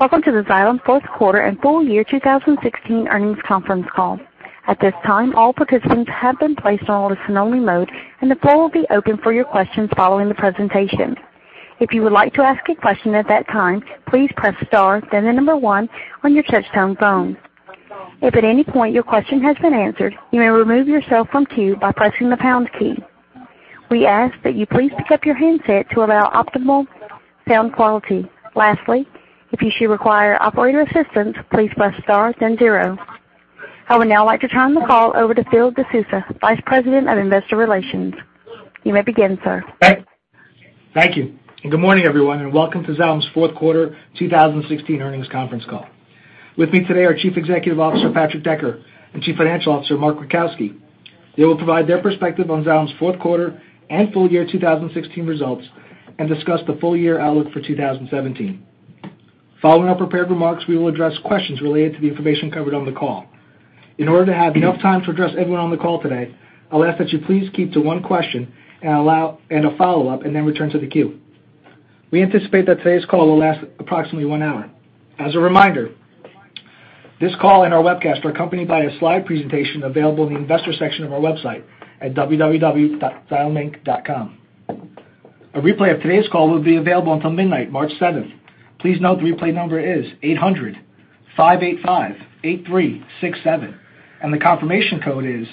Welcome to the Xylem fourth quarter and full year 2016 earnings conference call. At this time, all participants have been placed on listen-only mode, and the floor will be open for your questions following the presentation. If you would like to ask a question at that time, please press star, then the number one on your touchtone phone. If at any point your question has been answered, you may remove yourself from queue by pressing the pound key. We ask that you please pick up your handset to allow optimal sound quality. Lastly, if you should require operator assistance, please press star then zero. I would now like to turn the call over to Phil De Sousa, Vice President of Investor Relations. You may begin, sir. Thank you. Good morning, everyone, and welcome to Xylem's fourth quarter 2016 earnings conference call. With me today are Chief Executive Officer, Patrick Decker, and Chief Financial Officer, Mark Rajkowski. They will provide their perspective on Xylem's fourth quarter and full year 2016 results and discuss the full-year outlook for 2017. Following our prepared remarks, we will address questions related to the information covered on the call. In order to have enough time to address everyone on the call today, I will ask that you please keep to one question and a follow-up, and then return to the queue. We anticipate that today's call will last approximately one hour. As a reminder, this call and our webcast are accompanied by a slide presentation available in the investor section of our website at www.xyleminc.com. A replay of today's call will be available until midnight, March seventh. Please note the replay number is 800-585-8367, and the confirmation code is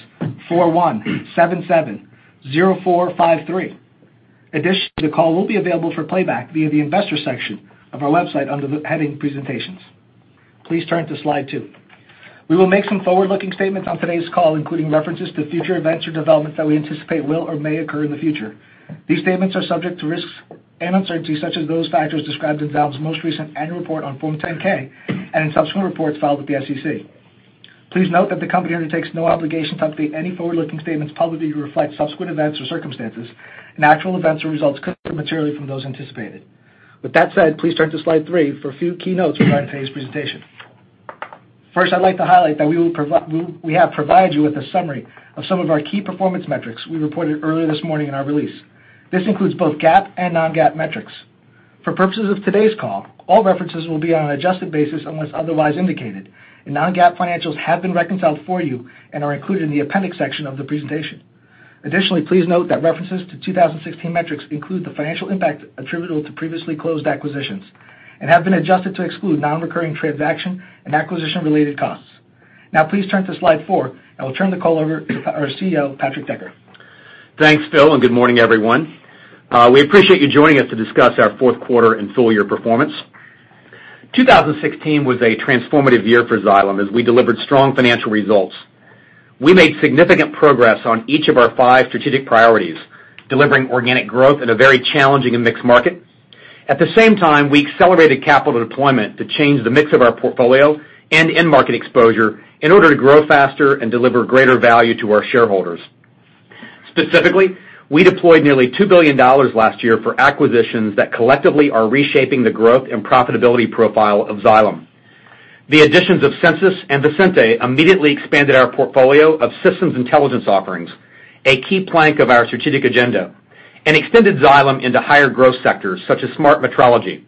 41770453. Additionally, the call will be available for playback via the investor section of our website under the heading Presentations. Please turn to Slide 2. We will make some forward-looking statements on today's call, including references to future events or developments that we anticipate will or may occur in the future. These statements are subject to risks and uncertainties, such as those factors described in Xylem's most recent annual report on Form 10-K and in subsequent reports filed with the SEC. Please note that the company undertakes no obligation to update any forward-looking statements publicly to reflect subsequent events or circumstances, and actual events or results could differ materially from those anticipated. With that said, please turn to Slide 3 for a few key notes regarding today's presentation. First, I would like to highlight that we have provided you with a summary of some of our key performance metrics we reported earlier this morning in our release. This includes both GAAP and non-GAAP metrics. For purposes of today's call, all references will be on an adjusted basis unless otherwise indicated, and non-GAAP financials have been reconciled for you and are included in the appendix section of the presentation. Additionally, please note that references to 2016 metrics include the financial impact attributable to previously closed acquisitions and have been adjusted to exclude non-recurring transaction and acquisition-related costs. Now, please turn to Slide 4, and I will turn the call over to our CEO, Patrick Decker. Thanks, Phil, and good morning, everyone. We appreciate you joining us to discuss our fourth quarter and full-year performance. 2016 was a transformative year for Xylem as we delivered strong financial results. We made significant progress on each of our five strategic priorities, delivering organic growth in a very challenging and mixed market. At the same time, we accelerated capital deployment to change the mix of our portfolio and end market exposure in order to grow faster and deliver greater value to our shareholders. Specifically, we deployed nearly $2 billion last year for acquisitions that collectively are reshaping the growth and profitability profile of Xylem. The additions of Sensus and Visenti immediately expanded our portfolio of systems intelligence offerings, a key plank of our strategic agenda, and extended Xylem into higher growth sectors, such as smart metering.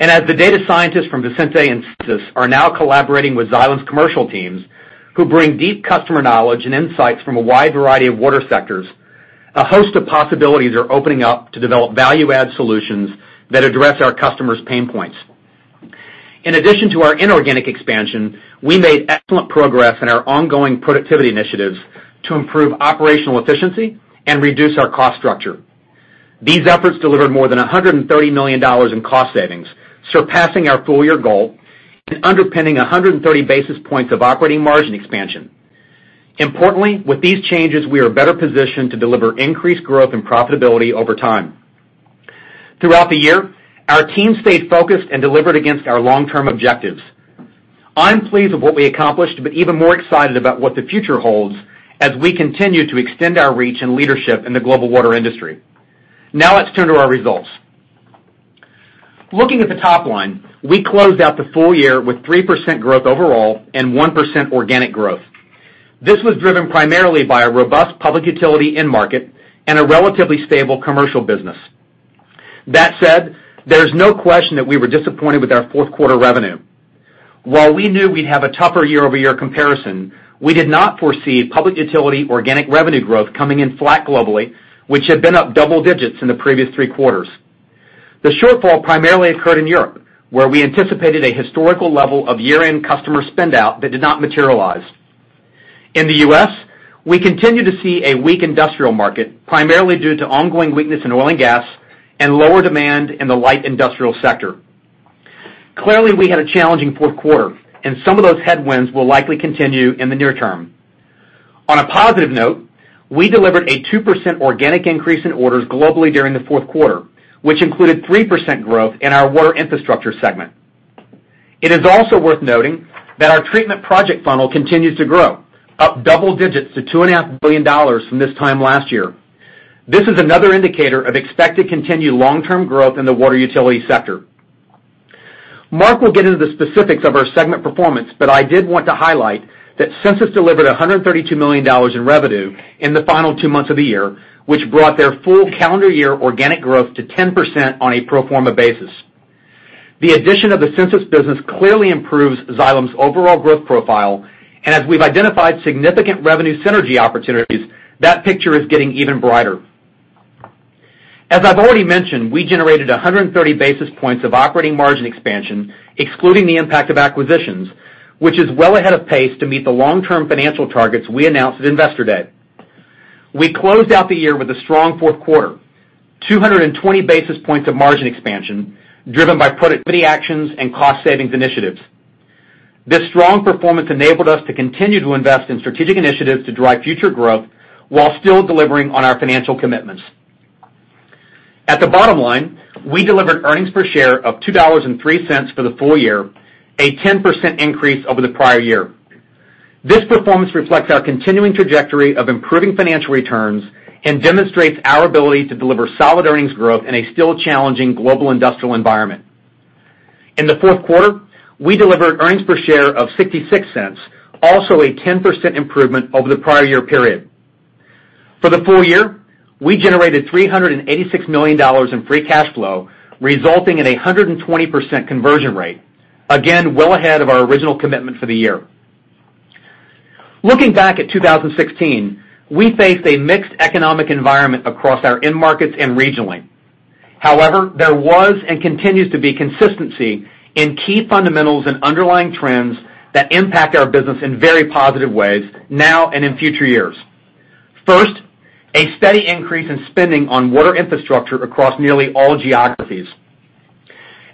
As the data scientists from Visenti and Sensus are now collaborating with Xylem's commercial teams, who bring deep customer knowledge and insights from a wide variety of water sectors, a host of possibilities are opening up to develop value-add solutions that address our customers' pain points. In addition to our inorganic expansion, we made excellent progress in our ongoing productivity initiatives to improve operational efficiency and reduce our cost structure. These efforts delivered more than $130 million in cost savings, surpassing our full-year goal and underpinning 130 basis points of operating margin expansion. Importantly, with these changes, we are better positioned to deliver increased growth and profitability over time. Throughout the year, our team stayed focused and delivered against our long-term objectives. I'm pleased with what we accomplished, but even more excited about what the future holds as we continue to extend our reach and leadership in the global water industry. Now let's turn to our results. Looking at the top line, we closed out the full-year with 3% growth overall and 1% organic growth. This was driven primarily by a robust public utility end market and a relatively stable commercial business. That said, there's no question that we were disappointed with our fourth quarter revenue. While we knew we'd have a tougher year-over-year comparison, we did not foresee public utility organic revenue growth coming in flat globally, which had been up double digits in the previous three quarters. The shortfall primarily occurred in Europe, where we anticipated a historical level of year-end customer spend out that did not materialize. In the U.S., we continue to see a weak industrial market, primarily due to ongoing weakness in oil and gas and lower demand in the light industrial sector. Clearly, we had a challenging fourth quarter, and some of those headwinds will likely continue in the near term. On a positive note, we delivered a 2% organic increase in orders globally during the fourth quarter, which included 3% growth in our Water Infrastructure segment. It is also worth noting that our treatment project funnel continues to grow, up double digits to $2.5 billion from this time last year. This is another indicator of expected continued long-term growth in the water utility sector. Mark will get into the specifics of our segment performance, but I did want to highlight that Sensus delivered $132 million in revenue in the final two months of the year, which brought their full calendar year organic growth to 10% on a pro forma basis. The addition of the Sensus business clearly improves Xylem's overall growth profile, and as we've identified significant revenue synergy opportunities, that picture is getting even brighter. As I've already mentioned, we generated 130 basis points of operating margin expansion, excluding the impact of acquisitions, which is well ahead of pace to meet the long-term financial targets we announced at Investor Day. We closed out the year with a strong fourth quarter, 220 basis points of margin expansion driven by productivity actions and cost savings initiatives. This strong performance enabled us to continue to invest in strategic initiatives to drive future growth while still delivering on our financial commitments. At the bottom line, we delivered earnings per share of $2.03 for the full year, a 10% increase over the prior year. This performance reflects our continuing trajectory of improving financial returns and demonstrates our ability to deliver solid earnings growth in a still challenging global industrial environment. In the fourth quarter, we delivered earnings per share of $0.66, also a 10% improvement over the prior year period. For the full year, we generated $386 million in free cash flow, resulting in a 120% conversion rate, again, well ahead of our original commitment for the year. Looking back at 2016, we faced a mixed economic environment across our end markets and regionally. There was and continues to be consistency in key fundamentals and underlying trends that impact our business in very positive ways now and in future years. First, a steady increase in spending on Water Infrastructure across nearly all geographies.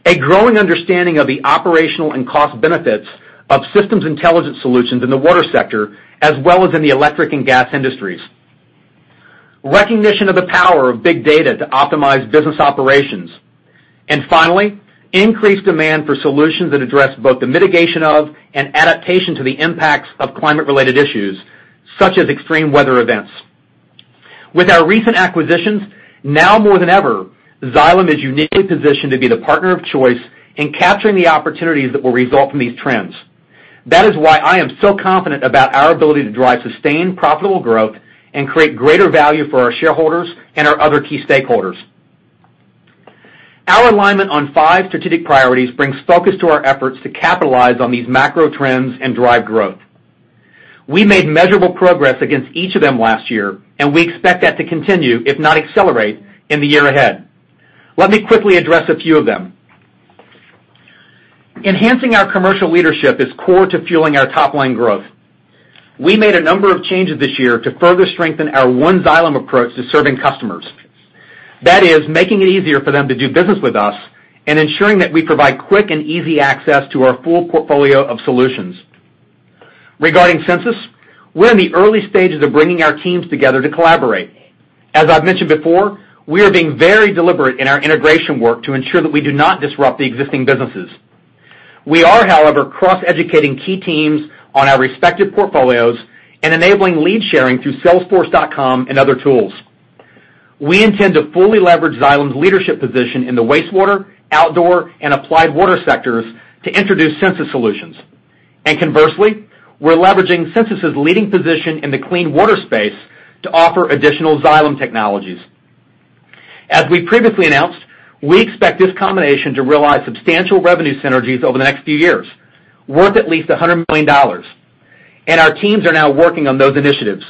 A growing understanding of the operational and cost benefits of systems intelligence solutions in the water sector, as well as in the electric and gas industries. Recognition of the power of big data to optimize business operations. Finally, increased demand for solutions that address both the mitigation of and adaptation to the impacts of climate-related issues, such as extreme weather events. With our recent acquisitions, now more than ever, Xylem is uniquely positioned to be the partner of choice in capturing the opportunities that will result from these trends. That is why I am so confident about our ability to drive sustained, profitable growth and create greater value for our shareholders and our other key stakeholders. Our alignment on five strategic priorities brings focus to our efforts to capitalize on these macro trends and drive growth. We made measurable progress against each of them last year, and we expect that to continue, if not accelerate, in the year ahead. Let me quickly address a few of them. Enhancing our commercial leadership is core to fueling our top-line growth. We made a number of changes this year to further strengthen our One Xylem approach to serving customers. That is, making it easier for them to do business with us and ensuring that we provide quick and easy access to our full portfolio of solutions. Regarding Sensus, we're in the early stages of bringing our teams together to collaborate. As I've mentioned before, we are being very deliberate in our integration work to ensure that we do not disrupt the existing businesses. We are, however, cross-educating key teams on our respective portfolios and enabling lead sharing through salesforce.com and other tools. We intend to fully leverage Xylem's leadership position in the wastewater, outdoor, and Applied Water sectors to introduce Sensus solutions. Conversely, we're leveraging Sensus' leading position in the clean water space to offer additional Xylem technologies. As we previously announced, we expect this combination to realize substantial revenue synergies over the next few years, worth at least $100 million, our teams are now working on those initiatives.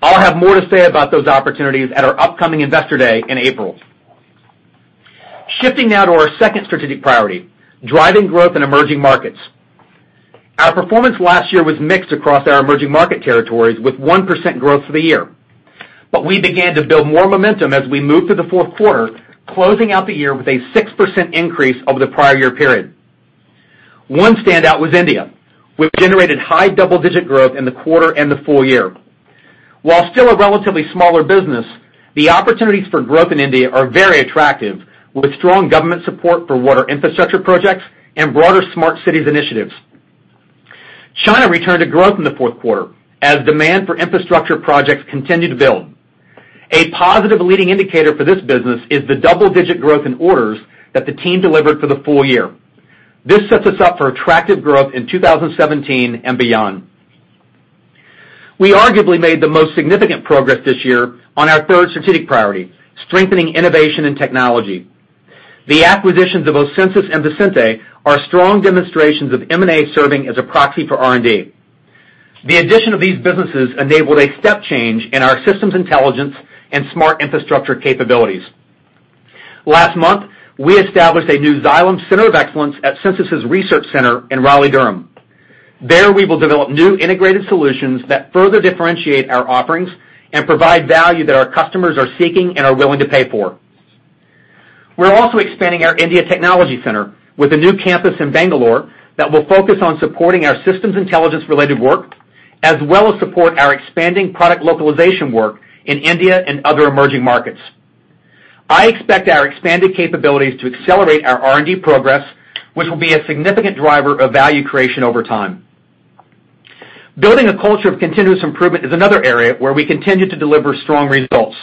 I'll have more to say about those opportunities at our upcoming Investor Day in April. Shifting now to our second strategic priority, driving growth in emerging markets. Our performance last year was mixed across our emerging market territories with 1% growth for the year. We began to build more momentum as we moved to the fourth quarter, closing out the year with a 6% increase over the prior year period. One standout was India, which generated high double-digit growth in the quarter and the full year. While still a relatively smaller business, the opportunities for growth in India are very attractive, with strong government support for Water Infrastructure projects and broader smart cities initiatives. China returned to growth in the fourth quarter as demand for infrastructure projects continued to build. A positive leading indicator for this business is the double-digit growth in orders that the team delivered for the full year. This sets us up for attractive growth in 2017 and beyond. We arguably made the most significant progress this year on our third strategic priority, strengthening innovation and technology. The acquisitions of both Sensus and Visenti are strong demonstrations of M&A serving as a proxy for R&D. The addition of these businesses enabled a step change in our systems intelligence and smart infrastructure capabilities. Last month, we established a new Xylem Center of Excellence at Sensus' Research Center in Raleigh, Durham. There, we will develop new integrated solutions that further differentiate our offerings and provide value that our customers are seeking and are willing to pay for. We're also expanding our India Technology Center with a new campus in Bangalore that will focus on supporting our systems intelligence-related work, as well as support our expanding product localization work in India and other emerging markets. I expect our expanded capabilities to accelerate our R&D progress, which will be a significant driver of value creation over time. Building a culture of continuous improvement is another area where we continue to deliver strong results.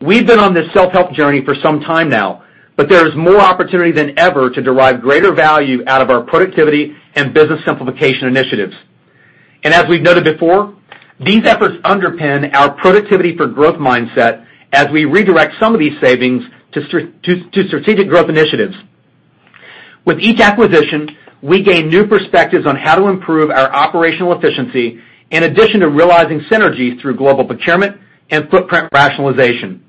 We've been on this self-help journey for some time now, there is more opportunity than ever to derive greater value out of our productivity and business simplification initiatives. As we've noted before, these efforts underpin our productivity for growth mindset as we redirect some of these savings to strategic growth initiatives. With each acquisition, we gain new perspectives on how to improve our operational efficiency in addition to realizing synergies through global procurement and footprint rationalization.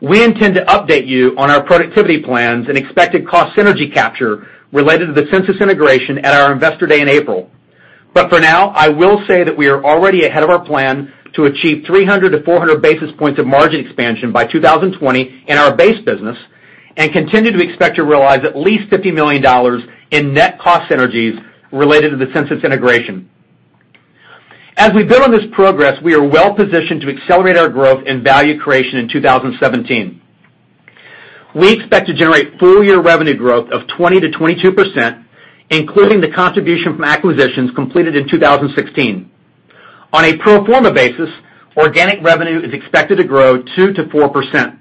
We intend to update you on our productivity plans and expected cost synergy capture related to the Sensus integration at our Investor Day in April. I will say that we are already ahead of our plan to achieve 300 to 400 basis points of margin expansion by 2020 in our base business and continue to expect to realize at least $50 million in net cost synergies related to the Sensus integration. As we build on this progress, we are well-positioned to accelerate our growth and value creation in 2017. We expect to generate full-year revenue growth of 20%-22%, including the contribution from acquisitions completed in 2016. On a pro forma basis, organic revenue is expected to grow 2%-4%.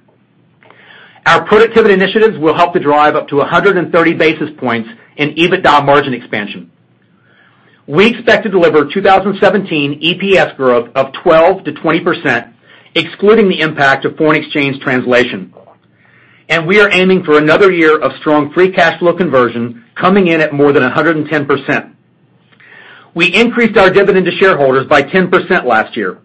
Our productivity initiatives will help to drive up to 130 basis points in EBITDA margin expansion. We expect to deliver 2017 EPS growth of 12%-20%, excluding the impact of foreign exchange translation. We are aiming for another year of strong free cash flow conversion, coming in at more than 110%. We increased our dividend to shareholders by 10% last year.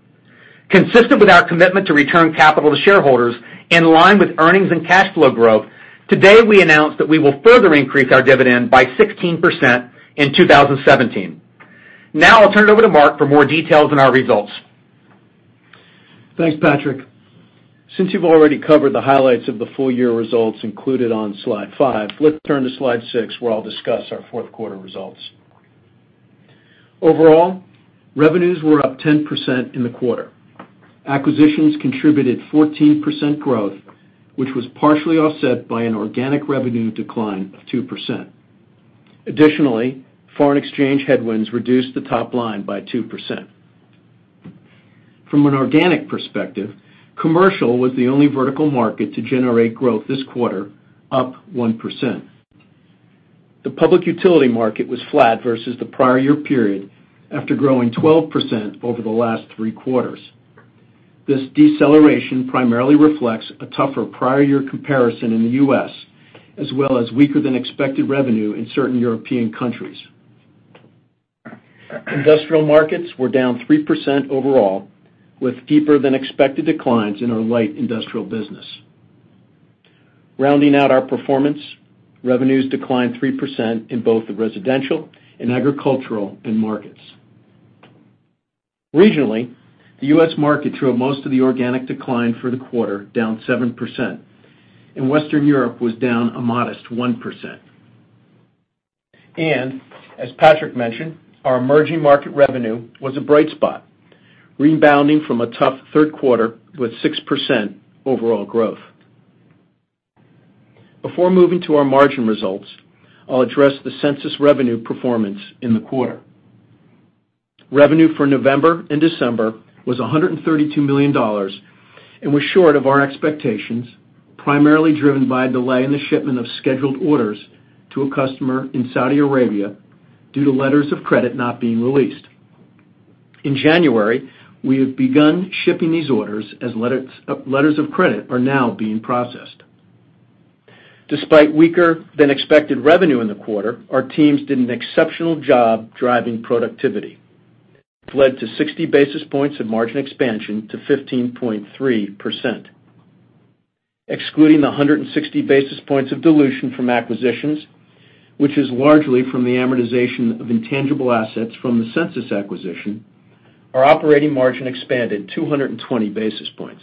Consistent with our commitment to return capital to shareholders in line with earnings and cash flow growth, today we announced that we will further increase our dividend by 16% in 2017. I'll turn it over to Mark for more details on our results. Thanks, Patrick. Since you've already covered the highlights of the full-year results included on slide five, let's turn to slide six, where I'll discuss our fourth quarter results. Overall, revenues were up 10% in the quarter. Acquisitions contributed 14% growth, which was partially offset by an organic revenue decline of 2%. Additionally, foreign exchange headwinds reduced the top line by 2%. From an organic perspective, commercial was the only vertical market to generate growth this quarter, up 1%. The public utility market was flat versus the prior year period after growing 12% over the last three quarters. This deceleration primarily reflects a tougher prior year comparison in the U.S., as well as weaker than expected revenue in certain European countries. Industrial markets were down 3% overall, with deeper than expected declines in our light industrial business. Rounding out our performance, revenues declined 3% in both the residential and agricultural end markets. Regionally, the U.S. market drove most of the organic decline for the quarter, down 7%, and Western Europe was down a modest 1%. As Patrick mentioned, our emerging market revenue was a bright spot, rebounding from a tough third quarter with 6% overall growth. Before moving to our margin results, I'll address the Sensus revenue performance in the quarter. Revenue for November and December was $132 million and was short of our expectations, primarily driven by a delay in the shipment of scheduled orders to a customer in Saudi Arabia due to letters of credit not being released. In January, we have begun shipping these orders as letters of credit are now being processed. Despite weaker than expected revenue in the quarter, our teams did an exceptional job driving productivity. It led to 60 basis points of margin expansion to 15.3%. Excluding the 160 basis points of dilution from acquisitions, which is largely from the amortization of intangible assets from the Sensus acquisition, our operating margin expanded 220 basis points.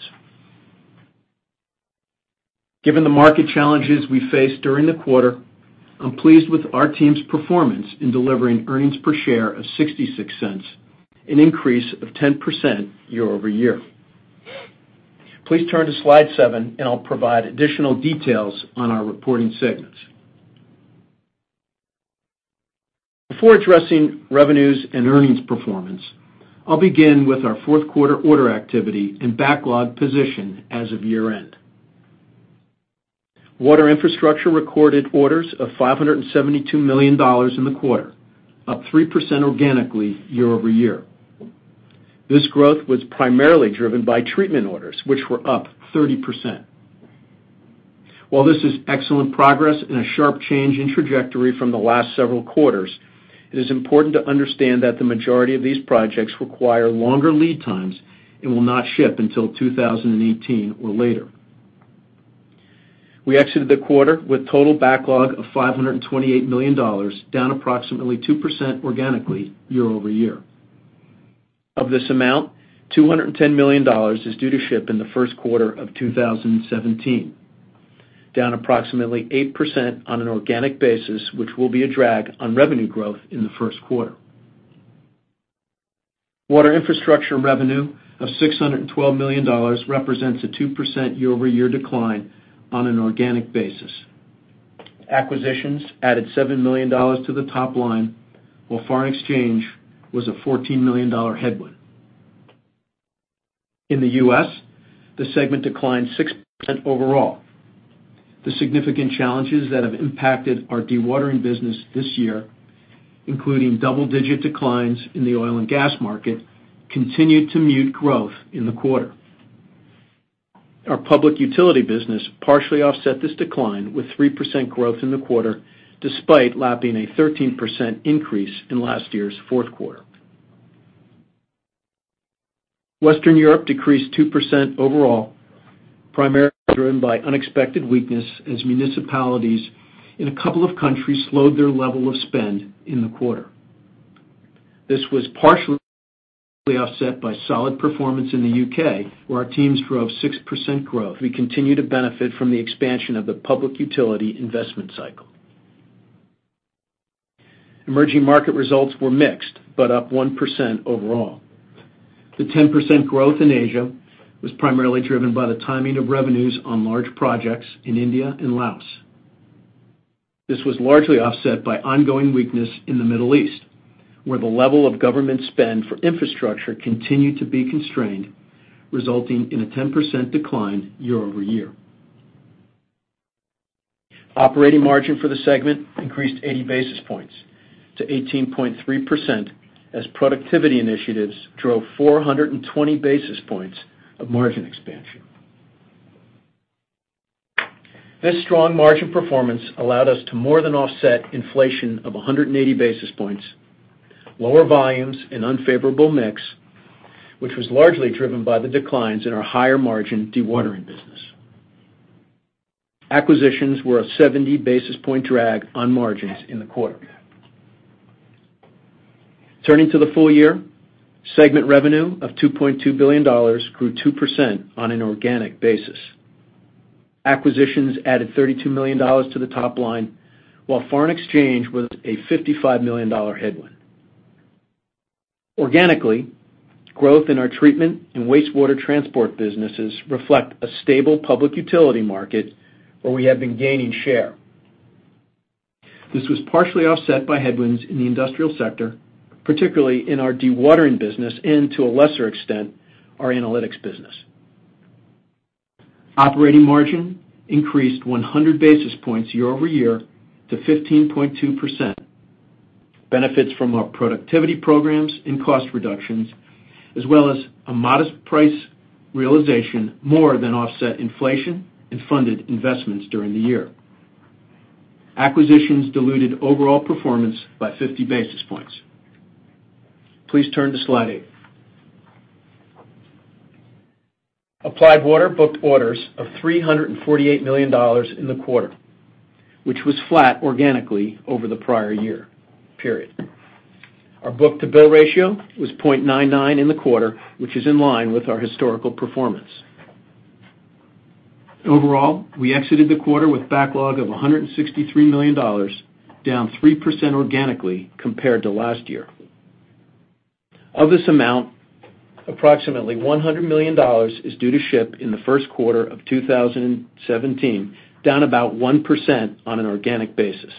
Given the market challenges we faced during the quarter, I'm pleased with our team's performance in delivering earnings per share of $0.66, an increase of 10% year-over-year. Please turn to slide seven, and I'll provide additional details on our reporting segments. Before addressing revenues and earnings performance, I'll begin with our fourth quarter order activity and backlog position as of year-end. Water Infrastructure recorded orders of $572 million in the quarter, up 3% organically year-over-year. This growth was primarily driven by treatment orders, which were up 30%. While this is excellent progress and a sharp change in trajectory from the last several quarters, it is important to understand that the majority of these projects require longer lead times and will not ship until 2018 or later. We exited the quarter with total backlog of $528 million, down approximately 2% organically year-over-year. Of this amount, $210 million is due to ship in the first quarter of 2017, down approximately 8% on an organic basis, which will be a drag on revenue growth in the first quarter. Water Infrastructure revenue of $612 million represents a 2% year-over-year decline on an organic basis. Acquisitions added $7 million to the top line, while foreign exchange was a $14 million headwind. In the U.S., the segment declined 6% overall. The significant challenges that have impacted our dewatering business this year, including double-digit declines in the oil and gas market, continued to mute growth in the quarter. Our public utility business partially offset this decline with 3% growth in the quarter, despite lapping a 13% increase in last year's fourth quarter. Western Europe decreased 2% overall, primarily driven by unexpected weakness as municipalities in a couple of countries slowed their level of spend in the quarter. This was partially offset by solid performance in the U.K., where our teams drove 6% growth. We continue to benefit from the expansion of the public utility investment cycle. Emerging market results were mixed, but up 1% overall. The 10% growth in Asia was primarily driven by the timing of revenues on large projects in India and Laos. This was largely offset by ongoing weakness in the Middle East, where the level of government spend for infrastructure continued to be constrained, resulting in a 10% decline year-over-year. Operating margin for the segment increased 80 basis points to 18.3% as productivity initiatives drove 420 basis points of margin expansion. This strong margin performance allowed us to more than offset inflation of 180 basis points, lower volumes, and unfavorable mix, which was largely driven by the declines in our higher margin dewatering business. Acquisitions were a 70-basis-point drag on margins in the quarter. Turning to the full year, segment revenue of $2.2 billion grew 2% on an organic basis. Acquisitions added $32 million to the top line, while foreign exchange was a $55 million headwind. Organically, growth in our treatment in wastewater transport businesses reflect a stable public utility market where we have been gaining share. This was partially offset by headwinds in the industrial sector, particularly in our dewatering business and, to a lesser extent, our analytics business. Operating margin increased 100 basis points year-over-year to 15.2%. Benefits from our productivity programs and cost reductions, as well as a modest price realization, more than offset inflation and funded investments during the year. Acquisitions diluted overall performance by 50 basis points. Please turn to slide eight. Applied Water booked orders of $348 million in the quarter, which was flat organically over the prior year period. Our book-to-bill ratio was 0.99 in the quarter, which is in line with our historical performance. Overall, we exited the quarter with backlog of $163 million, down 3% organically compared to last year. Of this amount, approximately $100 million is due to ship in the first quarter of 2017, down about 1% on an organic basis.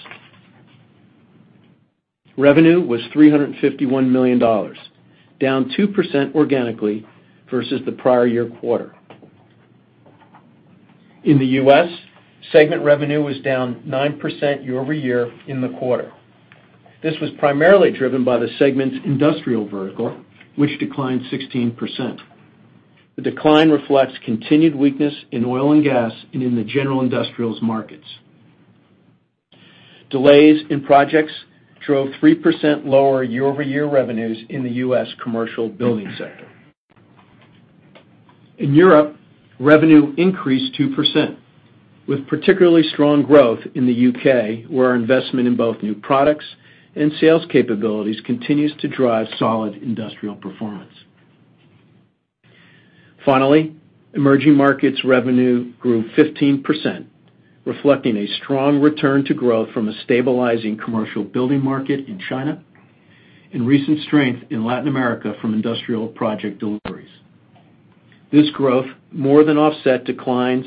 Revenue was $351 million, down 2% organically versus the prior year quarter. In the U.S., segment revenue was down 9% year-over-year in the quarter. This was primarily driven by the segment's industrial vertical, which declined 16%. The decline reflects continued weakness in oil and gas and in the general industrials markets. Delays in projects drove 3% lower year-over-year revenues in the U.S. commercial building sector. In Europe, revenue increased 2%, with particularly strong growth in the U.K. where our investment in both new products and sales capabilities continues to drive solid industrial performance. Finally, emerging markets revenue grew 15%, reflecting a strong return to growth from a stabilizing commercial building market in China and recent strength in Latin America from industrial project deliveries. This growth more than offset declines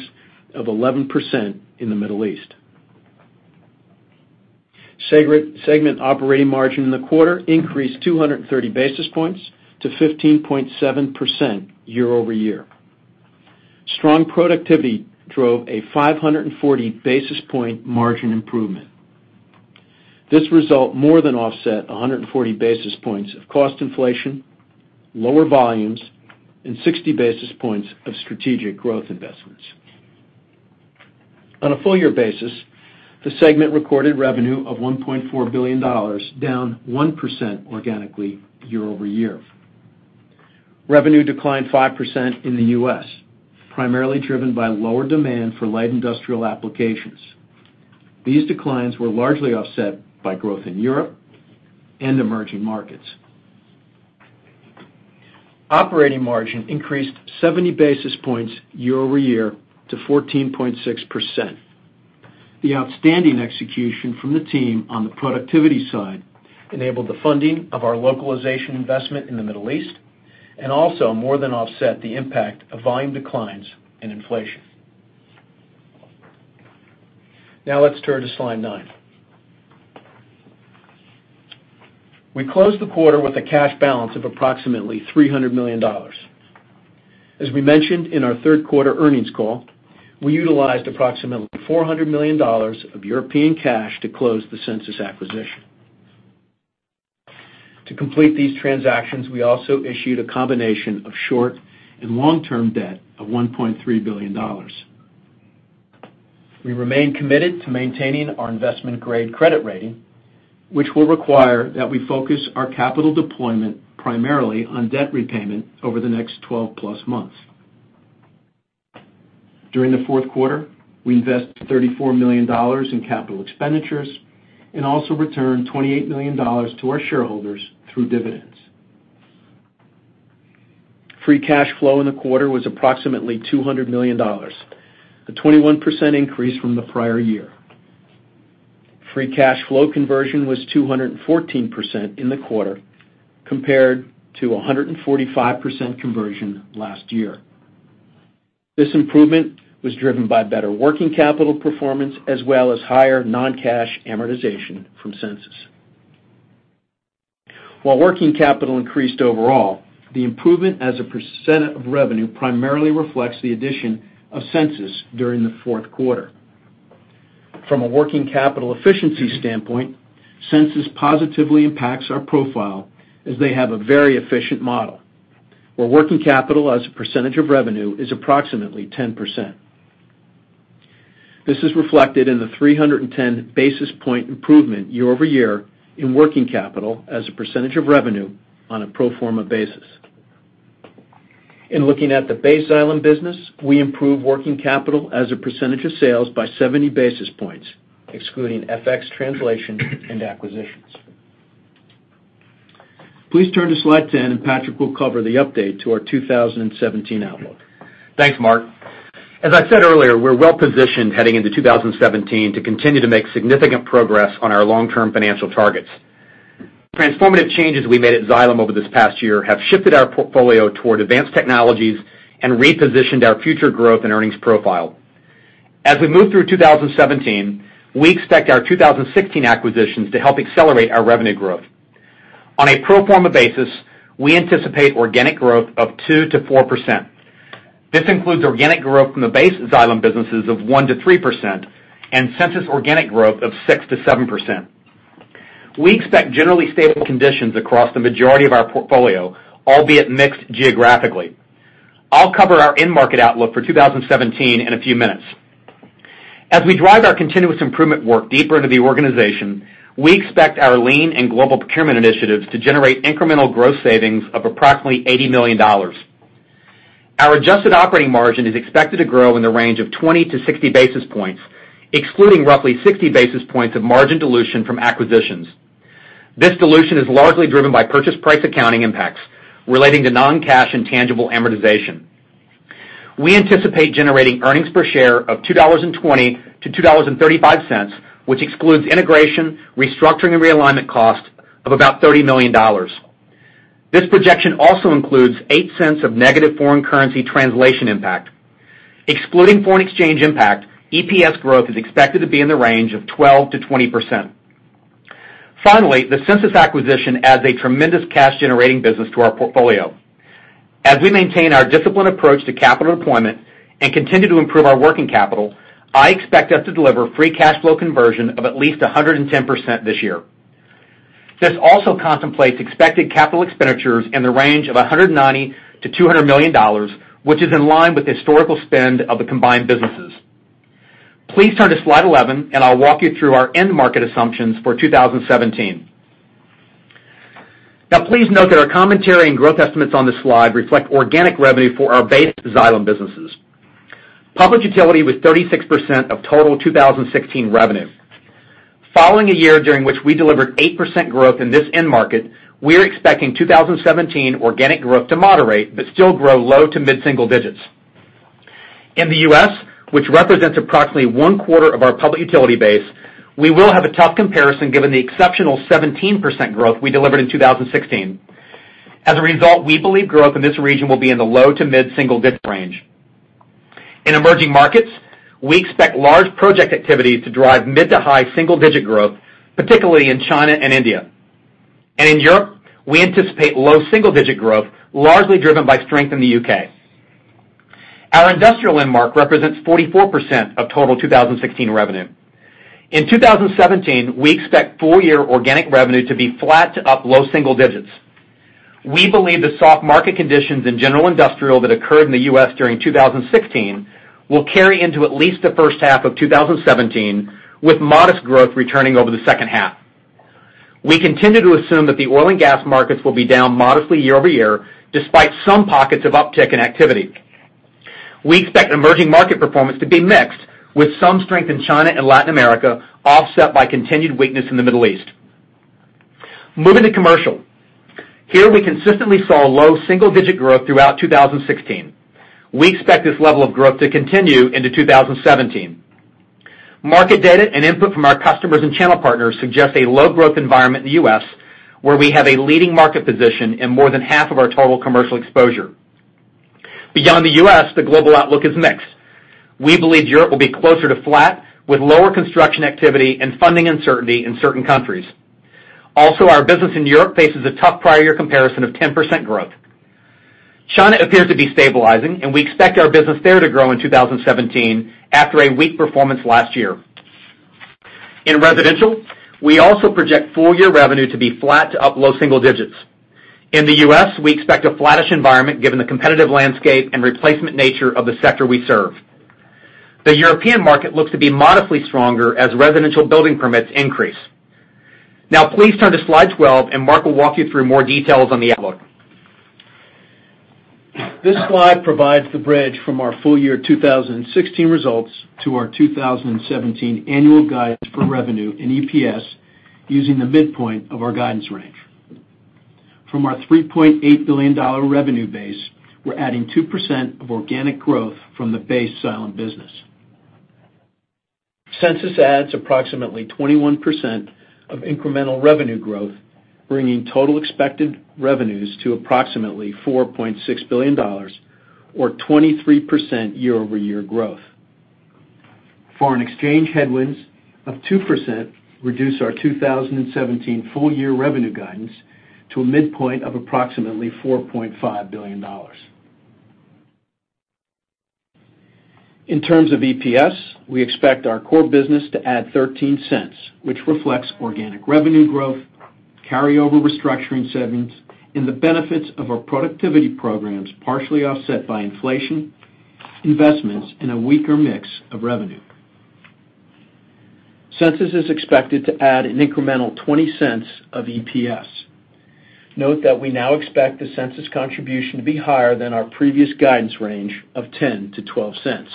of 11% in the Middle East. Segment operating margin in the quarter increased 230 basis points to 15.7% year-over-year. Strong productivity drove a 540-basis-point margin improvement. This result more than offset 140 basis points of cost inflation, lower volumes, and 60 basis points of strategic growth investments. On a full year basis, the segment recorded revenue of $1.4 billion, down 1% organically year-over-year. Revenue declined 5% in the U.S., primarily driven by lower demand for light industrial applications. These declines were largely offset by growth in Europe and emerging markets. Operating margin increased 70 basis points year-over-year to 14.6%. The outstanding execution from the team on the productivity side enabled the funding of our localization investment in the Middle East and also more than offset the impact of volume declines and inflation. Now let's turn to slide nine. We closed the quarter with a cash balance of approximately $300 million. As we mentioned in our third quarter earnings call, we utilized approximately $400 million of European cash to close the Sensus acquisition. To complete these transactions, we also issued a combination of short and long-term debt of $1.3 billion. We remain committed to maintaining our investment-grade credit rating, which will require that we focus our capital deployment primarily on debt repayment over the next 12-plus months. During the fourth quarter, we invested $34 million in capital expenditures and also returned $28 million to our shareholders through dividends. Free cash flow in the quarter was approximately $200 million, a 21% increase from the prior year. Free cash flow conversion was 214% in the quarter, compared to 145% conversion last year. This improvement was driven by better working capital performance as well as higher non-cash amortization from Sensus. While working capital increased overall, the improvement as a percent of revenue primarily reflects the addition of Sensus during the fourth quarter. From a working capital efficiency standpoint, Sensus positively impacts our profile, as they have a very efficient model, where working capital as a percentage of revenue is approximately 10%. This is reflected in the 310 basis point improvement year-over-year in working capital as a percentage of revenue on a pro forma basis. In looking at the base Xylem business, we improved working capital as a percentage of sales by 70 basis points, excluding FX translation and acquisitions. Please turn to slide 10, and Patrick will cover the update to our 2017 outlook. Thanks, Mark. As I said earlier, we're well-positioned heading into 2017 to continue to make significant progress on our long-term financial targets. The transformative changes we made at Xylem over this past year have shifted our portfolio toward advanced technologies and repositioned our future growth and earnings profile. As we move through 2017, we expect our 2016 acquisitions to help accelerate our revenue growth. On a pro forma basis, we anticipate organic growth of 2%-4%. This includes organic growth from the base Xylem businesses of 1%-3% and Sensus organic growth of 6%-7%. We expect generally stable conditions across the majority of our portfolio, albeit mixed geographically. I'll cover our end market outlook for 2017 in a few minutes. As we drive our continuous improvement work deeper into the organization, we expect our Lean and global procurement initiatives to generate incremental gross savings of approximately $80 million. Our adjusted operating margin is expected to grow in the range of 20 to 60 basis points, excluding roughly 60 basis points of margin dilution from acquisitions. This dilution is largely driven by purchase price accounting impacts relating to non-cash and tangible amortization. We anticipate generating earnings per share of $2.20-$2.35, which excludes integration, restructuring, and realignment costs of about $30 million. This projection also includes $0.08 of negative foreign currency translation impact. Excluding foreign exchange impact, EPS growth is expected to be in the range of 12%-20%. Finally, the Sensus acquisition adds a tremendous cash-generating business to our portfolio. As we maintain our disciplined approach to capital deployment and continue to improve our working capital, I expect us to deliver free cash flow conversion of at least 110% this year. This also contemplates expected capital expenditures in the range of $190 million-$200 million, which is in line with the historical spend of the combined businesses. Please turn to slide 11, and I'll walk you through our end market assumptions for 2017. Now, please note that our commentary and growth estimates on this slide reflect organic revenue for our base Xylem businesses. Public utility was 36% of total 2016 revenue. Following a year during which we delivered 8% growth in this end market, we're expecting 2017 organic growth to moderate but still grow low to mid-single digits. In the U.S., which represents approximately one-quarter of our public utility base, we will have a tough comparison given the exceptional 17% growth we delivered in 2016. As a result, we believe growth in this region will be in the low to mid-single-digit range. In emerging markets, we expect large project activities to drive mid to high single-digit growth, particularly in China and India. In Europe, we anticipate low double-digit growth, largely driven by strength in the U.K. Our industrial end market represents 44% of total 2016 revenue. In 2017, we expect full-year organic revenue to be flat to up low single digits. We believe the soft market conditions in general industrial that occurred in the U.S. during 2016 will carry into at least the first half of 2017, with modest growth returning over the second half. We continue to assume that the oil and gas markets will be down modestly year-over-year, despite some pockets of uptick in activity. We expect emerging market performance to be mixed, with some strength in China and Latin America offset by continued weakness in the Middle East. Moving to commercial. Here we consistently saw low single-digit growth throughout 2016. We expect this level of growth to continue into 2017. Market data and input from our customers and channel partners suggest a low-growth environment in the U.S., where we have a leading market position in more than half of our total commercial exposure. Beyond the U.S., the global outlook is mixed. We believe Europe will be closer to flat, with lower construction activity and funding uncertainty in certain countries. Also, our business in Europe faces a tough prior year comparison of 10% growth. China appears to be stabilizing. We expect our business there to grow in 2017 after a weak performance last year. In residential, we also project full-year revenue to be flat to up low single digits. In the U.S., we expect a flattish environment given the competitive landscape and replacement nature of the sector we serve. The European market looks to be modestly stronger as residential building permits increase. Now please turn to slide 12. Mark will walk you through more details on the outlook. This slide provides the bridge from our full-year 2016 results to our 2017 annual guidance for revenue and EPS using the midpoint of our guidance range. From our $3.8 billion revenue base, we're adding 2% of organic growth from the base Xylem business. Sensus adds approximately 21% of incremental revenue growth, bringing total expected revenues to approximately $4.6 billion, or 23% year-over-year growth. Foreign exchange headwinds of 2% reduce our 2017 full-year revenue guidance to a midpoint of approximately $4.5 billion. In terms of EPS, we expect our core business to add $0.13, which reflects organic revenue growth, carryover restructuring savings, and the benefits of our productivity programs partially offset by inflation, investments in a weaker mix of revenue. Sensus is expected to add an incremental $0.20 of EPS. Note that we now expect the Sensus contribution to be higher than our previous guidance range of $0.10-$0.12.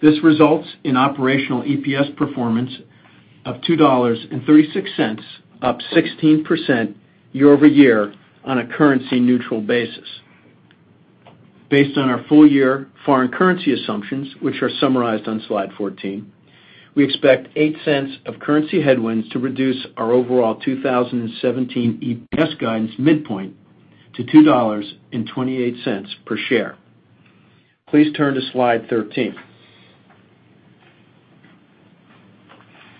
This results in operational EPS performance of $2.36, up 16% year-over-year on a currency neutral basis. Based on our full year foreign currency assumptions, which are summarized on slide 14, we expect $0.08 of currency headwinds to reduce our overall 2017 EPS guidance midpoint to $2.28 per share. Please turn to slide 13.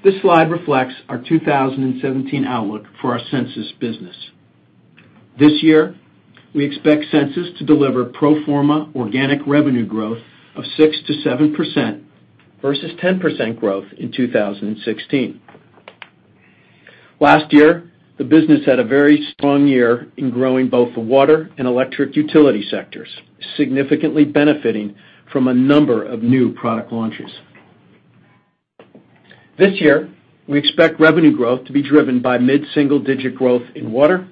This slide reflects our 2017 outlook for our Sensus business. This year, we expect Sensus to deliver pro forma organic revenue growth of 6%-7%, versus 10% growth in 2016. Last year, the business had a very strong year in growing both the water and electric utility sectors, significantly benefiting from a number of new product launches. This year, we expect revenue growth to be driven by mid-single digit growth in water,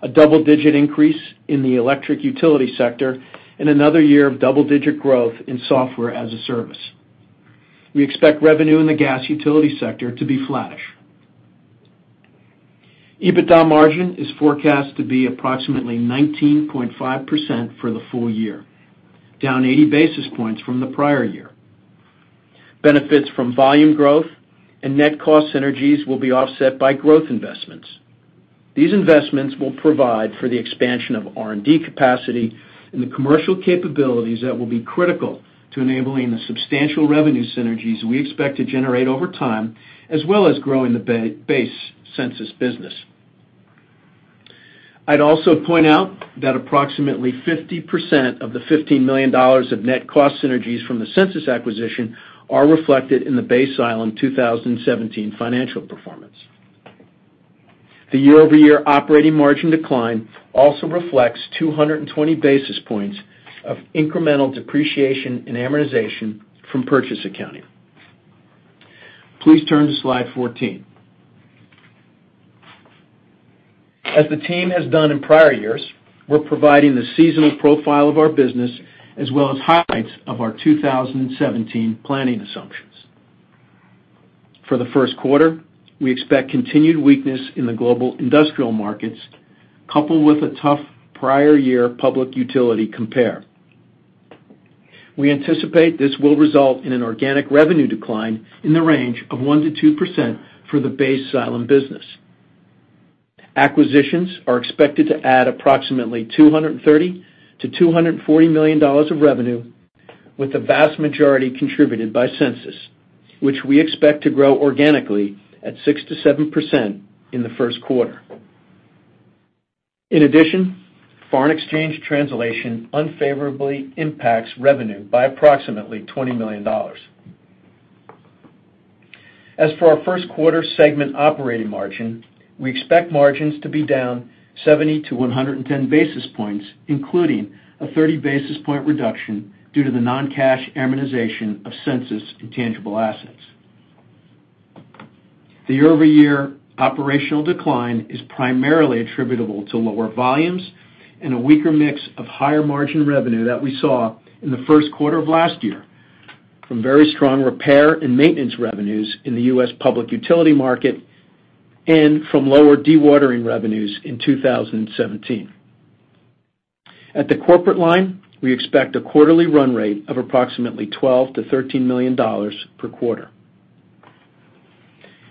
a double-digit increase in the electric utility sector, and another year of double-digit growth in software as a service. We expect revenue in the gas utility sector to be flattish. EBITDA margin is forecast to be approximately 19.5% for the full year, down 80 basis points from the prior year. Benefits from volume growth and net cost synergies will be offset by growth investments. These investments will provide for the expansion of R&D capacity and the commercial capabilities that will be critical to enabling the substantial revenue synergies we expect to generate over time, as well as growing the base Sensus business. I'd also point out that approximately 50% of the $15 million of net cost synergies from the Sensus acquisition are reflected in the base Xylem 2017 financial performance. The year-over-year operating margin decline also reflects 220 basis points of incremental depreciation and amortization from purchase accounting. Please turn to slide 14. As the team has done in prior years, we're providing the seasonal profile of our business as well as highlights of our 2017 planning assumptions. For the first quarter, we expect continued weakness in the global industrial markets, coupled with a tough prior year public utility compare. We anticipate this will result in an organic revenue decline in the range of 1%-2% for the base Xylem business. Acquisitions are expected to add approximately $230 million-$240 million of revenue, with the vast majority contributed by Sensus, which we expect to grow organically at 6%-7% in the first quarter. In addition, foreign exchange translation unfavorably impacts revenue by approximately $20 million. As for our first quarter segment operating margin, we expect margins to be down 70-110 basis points, including a 30 basis point reduction due to the non-cash amortization of Sensus intangible assets. The year-over-year operational decline is primarily attributable to lower volumes and a weaker mix of higher margin revenue that we saw in the first quarter of last year from very strong repair and maintenance revenues in the U.S. public utility market and from lower dewatering revenues in 2017. At the corporate line, we expect a quarterly run rate of approximately $12 million-$13 million per quarter.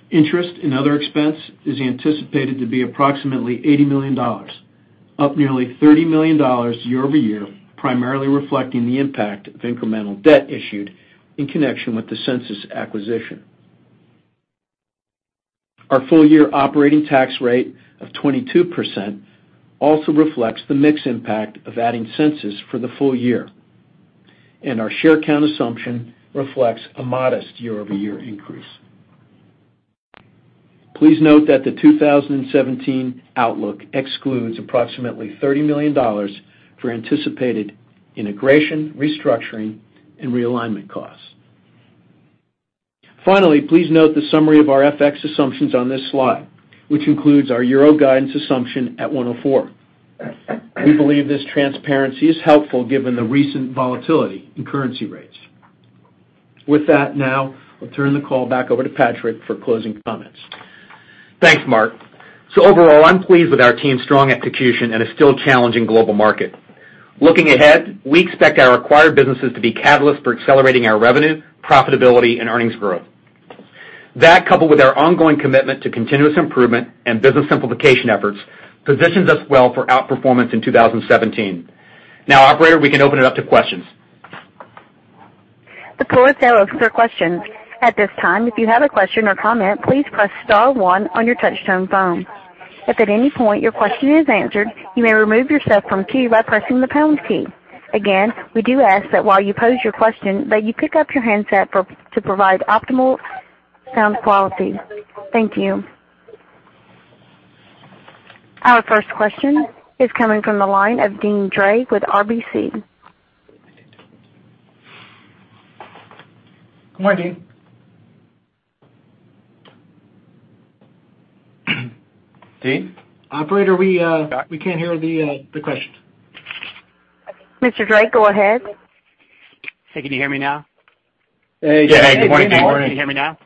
Interest and other expense is anticipated to be approximately $80 million, up nearly $30 million year-over-year, primarily reflecting the impact of incremental debt issued in connection with the Sensus acquisition. Our full year operating tax rate of 22% also reflects the mix impact of adding Sensus for the full year, and our share count assumption reflects a modest year-over-year increase. Please note that the 2017 outlook excludes approximately $30 million for anticipated integration, restructuring, and realignment costs. Please note the summary of our FX assumptions on this slide, which includes our EUR guidance assumption at 104. We believe this transparency is helpful given the recent volatility in currency rates. Now I'll turn the call back over to Patrick for closing comments. Thanks, Mark. Overall, I'm pleased with our team's strong execution in a still challenging global market. Looking ahead, we expect our acquired businesses to be catalysts for accelerating our revenue, profitability, and earnings growth. Coupled with our ongoing commitment to continuous improvement and business simplification efforts, positions us well for outperformance in 2017. Operator, we can open it up to questions. The floor is now open for questions. At this time, if you have a question or comment, please press star one on your touchtone phone. If at any point your question is answered, you may remove yourself from queue by pressing the pound key. Again, we do ask that while you pose your question, that you pick up your handset to provide optimal sound quality. Thank you. Our first question is coming from the line of Deane Dray with RBC. Good morning, Deane. Deane? Operator, we can't hear the question. Mr. Dray, go ahead. Hey, can you hear me now? Hey, good morning, Deane. Yeah. Good morning. Can you hear me now?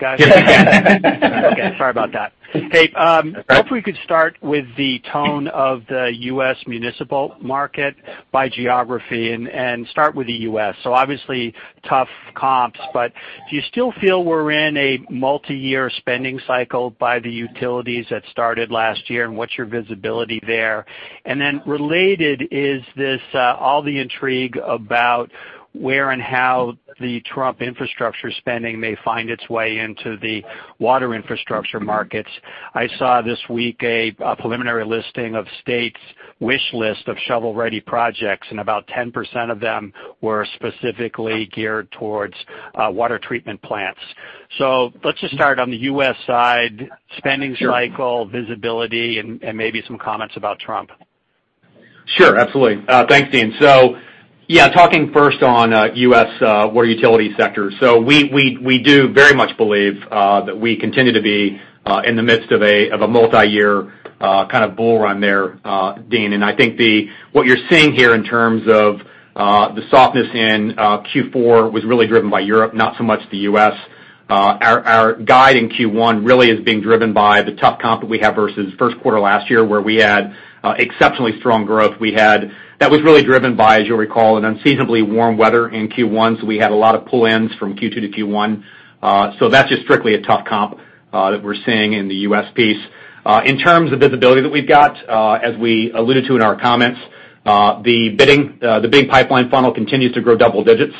Got it. Okay, sorry about that. Hey, if we could start with the tone of the U.S. municipal market by geography and start with the U.S. Obviously, tough comps, but do you still feel we're in a multi-year spending cycle by the utilities that started last year, and what's your visibility there? Related, is this all the intrigue about where and how the Trump infrastructure spending may find its way into the Water Infrastructure markets? I saw this week a preliminary listing of states' wish list of shovel-ready projects, and about 10% of them were specifically geared towards water treatment plants. Let's just start on the U.S. side, spending cycle, visibility, and maybe some comments about Trump. Sure, absolutely. Thanks, Deane. Yeah, talking first on U.S. water utility sector. We do very much believe that we continue to be in the midst of a multi-year kind of bull run there, Deane, and I think what you're seeing here in terms of the softness in Q4 was really driven by Europe, not so much the U.S. Our guide in Q1 really is being driven by the tough comp that we have versus first quarter last year, where we had exceptionally strong growth. That was really driven by, as you'll recall, an unseasonably warm weather in Q1, we had a lot of pull-ins from Q2 to Q1. That's just strictly a tough comp that we're seeing in the U.S. piece. In terms of visibility that we've got, as we alluded to in our comments, the bidding, the big pipeline funnel continues to grow double digits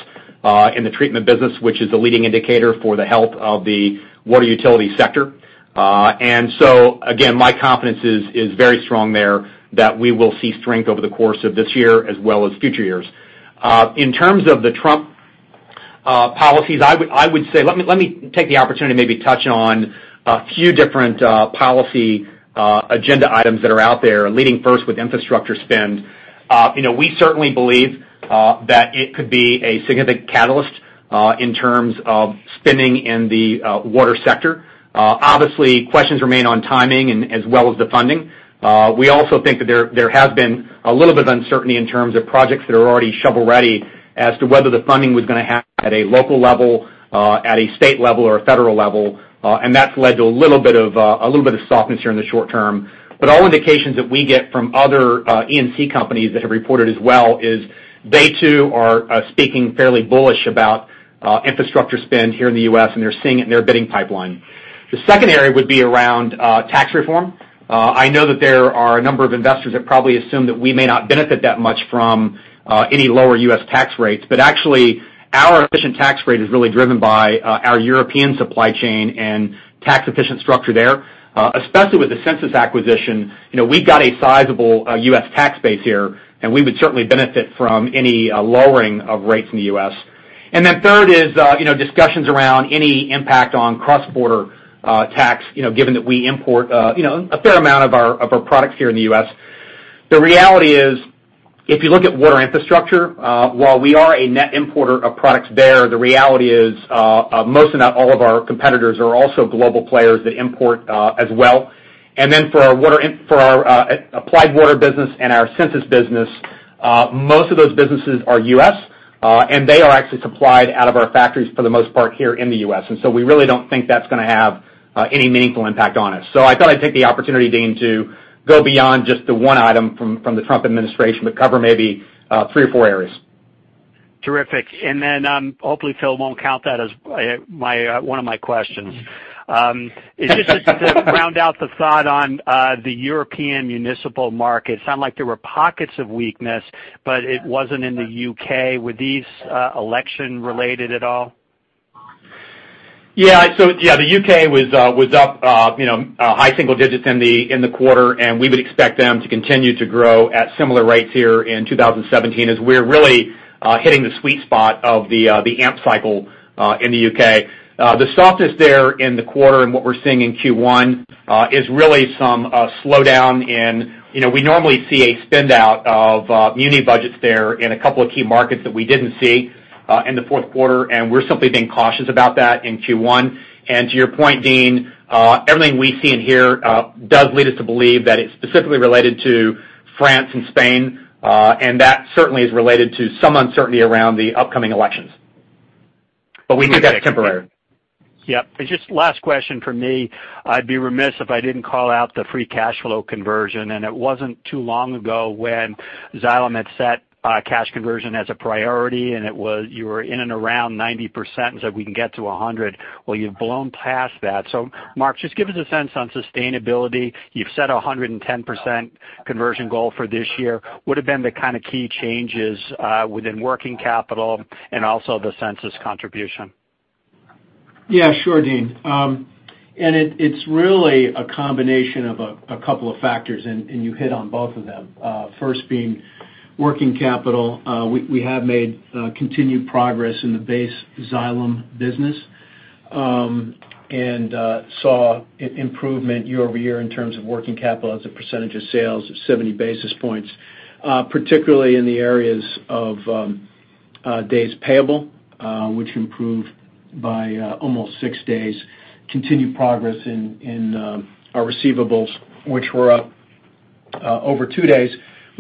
in the treatment business, which is a leading indicator for the health of the water utility sector. Again, my confidence is very strong there that we will see strength over the course of this year as well as future years. In terms of the Trump policies, let me take the opportunity to maybe touch on a few different policy agenda items that are out there, leading first with infrastructure spend. We certainly believe that it could be a significant catalyst in terms of spending in the water sector. Obviously, questions remain on timing and as well as the funding. We also think that there has been a little bit of uncertainty in terms of projects that are already shovel-ready as to whether the funding was going to happen at a local level, at a state level or a federal level, and that's led to a little bit of softness here in the short term. All indications that we get from other E&C companies that have reported as well is they too are speaking fairly bullish about infrastructure spend here in the U.S., and they're seeing it in their bidding pipeline. The second area would be around tax reform. I know that there are a number of investors that probably assume that we may not benefit that much from any lower U.S. tax rates, but actually, our efficient tax rate is really driven by our European supply chain and tax-efficient structure there. Especially with the Sensus acquisition, we've got a sizable U.S. tax base here, and we would certainly benefit from any lowering of rates in the U.S. Third is discussions around any impact on cross-border tax, given that we import a fair amount of our products here in the U.S. The reality is, if you look at Water Infrastructure, while we are a net importer of products there, the reality is most and not all of our competitors are also global players that import as well. For our Applied Water business and our Sensus business, most of those businesses are U.S., and they are actually supplied out of our factories for the most part here in the U.S. We really don't think that's going to have any meaningful impact on us. I thought I'd take the opportunity, Deane, to go beyond just the one item from the Trump administration, but cover maybe three or four areas. Terrific. Hopefully Phil won't count that as one of my questions. Just to round out the thought on the European municipal market, it sounded like there were pockets of weakness, but it wasn't in the U.K. Were these election related at all? Yeah. The U.K. was up high single digits in the quarter, and we would expect them to continue to grow at similar rates here in 2017, as we're really hitting the sweet spot of the AMP cycle in the U.K. The softness there in the quarter and what we're seeing in Q1 is really some slowdown. We normally see a spend-out of muni budgets there in a couple of key markets that we didn't see in the fourth quarter, and we're simply being cautious about that in Q1. To your point, Deane, everything we see and hear does lead us to believe that it's specifically related to France and Spain. That certainly is related to some uncertainty around the upcoming elections. We think that's temporary. Yep. Just last question from me. I'd be remiss if I didn't call out the free cash flow conversion. It wasn't too long ago when Xylem had set cash conversion as a priority, and you were in and around 90%, and said, "We can get to 100." Well, you've blown past that. Mark, just give us a sense on sustainability. You've set 110% conversion goal for this year. What have been the kind of key changes within working capital and also the Sensus contribution? Yeah, sure, Deane. It's really a combination of a couple of factors, and you hit on both of them. First being working capital. We have made continued progress in the base Xylem business, and saw improvement year-over-year in terms of working capital as a percentage of sales of 70 basis points, particularly in the areas of days payable, which improved by almost six days. Continued progress in our receivables, which were up over two days.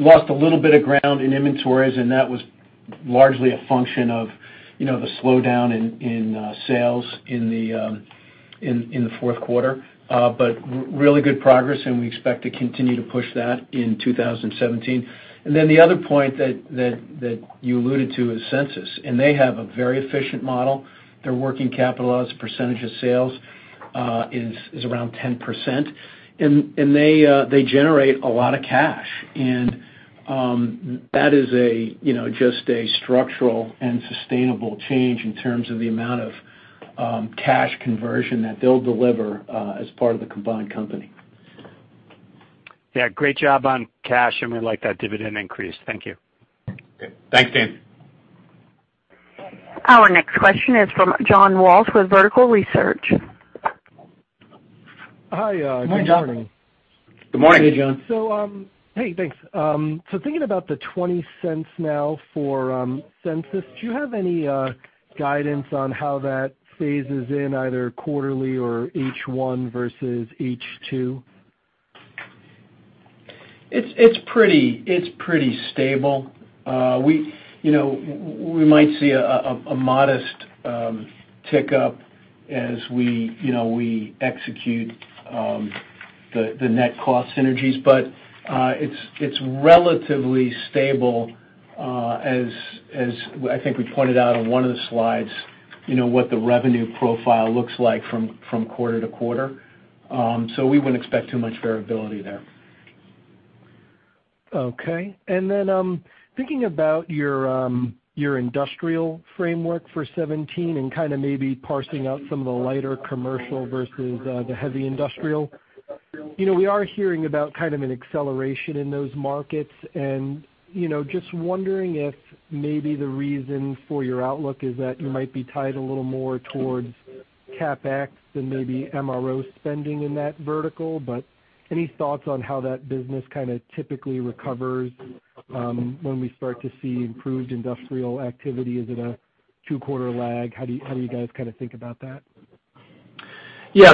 We lost a little bit of ground in inventories, and that was largely a function of the slowdown in sales in the fourth quarter. Really good progress, and we expect to continue to push that in 2017. The other point that you alluded to is Sensus, and they have a very efficient model. Their working capital as a percentage of sales is around 10%, and they generate a lot of cash. That is just a structural and sustainable change in terms of the amount of cash conversion that they'll deliver as part of the combined company. Yeah, great job on cash. We like that dividend increase. Thank you. Okay. Thanks, Deane. Our next question is from John Walsh with Vertical Research. Hi, good morning. Good morning. Good morning, John. Hey, thanks. Thinking about the $0.20 now for Sensus, do you have any guidance on how that phases in, either quarterly or H1 versus H2? It's pretty stable. We might see a modest tick-up as we execute the net cost synergies. It's relatively stable, as I think we pointed out on one of the slides, what the revenue profile looks like from quarter to quarter. We wouldn't expect too much variability there. Okay. Thinking about your industrial framework for 2017 and kind of maybe parsing out some of the lighter commercial versus the heavy industrial. We are hearing about kind of an acceleration in those markets and just wondering if maybe the reason for your outlook is that you might be tied a little more towards CapEx than maybe MRO spending in that vertical. Any thoughts on how that business kind of typically recovers when we start to see improved industrial activity? Is it a two-quarter lag? How do you guys kind of think about that? Yeah.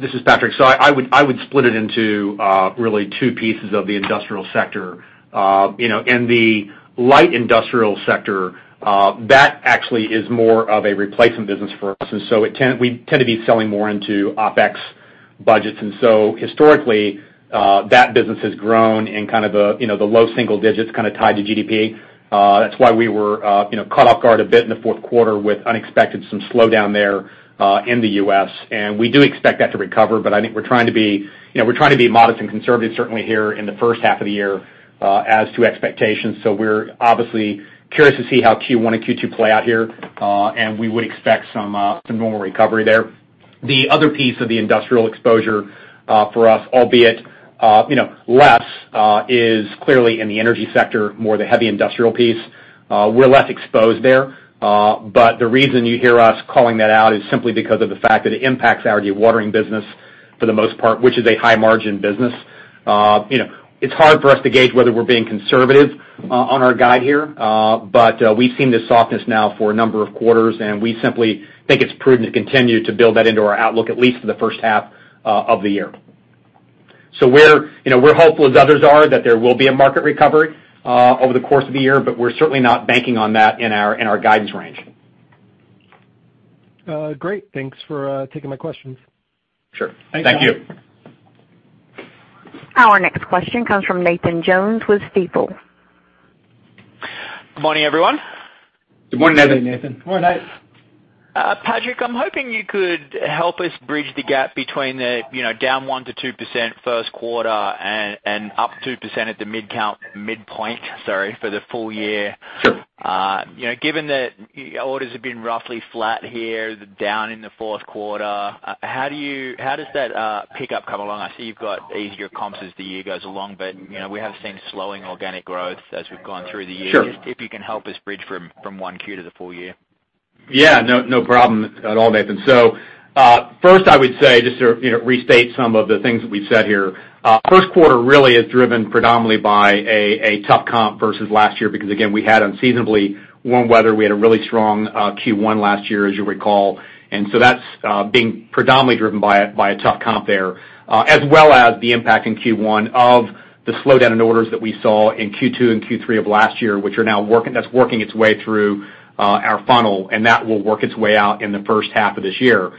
This is Patrick. I would split it into really two pieces of the industrial sector. In the light industrial sector, that actually is more of a replacement business for us. We tend to be selling more into OpEx budgets. Historically, that business has grown in kind of the low single digits, kind of tied to GDP. That's why we were caught off guard a bit in the fourth quarter with unexpected, some slowdown there in the U.S., and we do expect that to recover. I think we're trying to be modest and conservative, certainly here in the first half of the year as to expectations. We're obviously curious to see how Q1 and Q2 play out here, and we would expect some normal recovery there. The other piece of the industrial exposure for us, albeit less, is clearly in the energy sector, more the heavy industrial piece. We're less exposed there. The reason you hear us calling that out is simply because of the fact that it impacts our dewatering business for the most part, which is a high-margin business. It's hard for us to gauge whether we're being conservative on our guide here. We've seen this softness now for a number of quarters, and we simply think it's prudent to continue to build that into our outlook, at least for the first half of the year. We're hopeful, as others are, that there will be a market recovery over the course of the year, but we're certainly not banking on that in our guidance range. Great. Thanks for taking my questions. Sure. Thank you. Our next question comes from Nathan Jones with Stifel. Good morning, everyone. Good morning, Nathan. Good morning, Nathan. Good morning, Nate. Patrick, I'm hoping you could help us bridge the gap between the down 1%-2% first quarter and up 2% at the midpoint, sorry, for the full year. Sure. Given that orders have been roughly flat here, down in the fourth quarter, how does that pickup come along? I see you've got easier comps as the year goes along, we have seen slowing organic growth as we've gone through the year. Sure. If you can help us bridge from Q1 to the full year. Yeah, no problem at all, Nathan. First, I would say, just to restate some of the things that we've said here. First quarter really is driven predominantly by a tough comp versus last year, because again, we had unseasonably warm weather. We had a really strong Q1 last year, as you'll recall. That's being predominantly driven by a tough comp there, as well as the impact in Q1 of the slowdown in orders that we saw in Q2 and Q3 of last year, which that's working its way through our funnel, and that will work its way out in the first half of this year.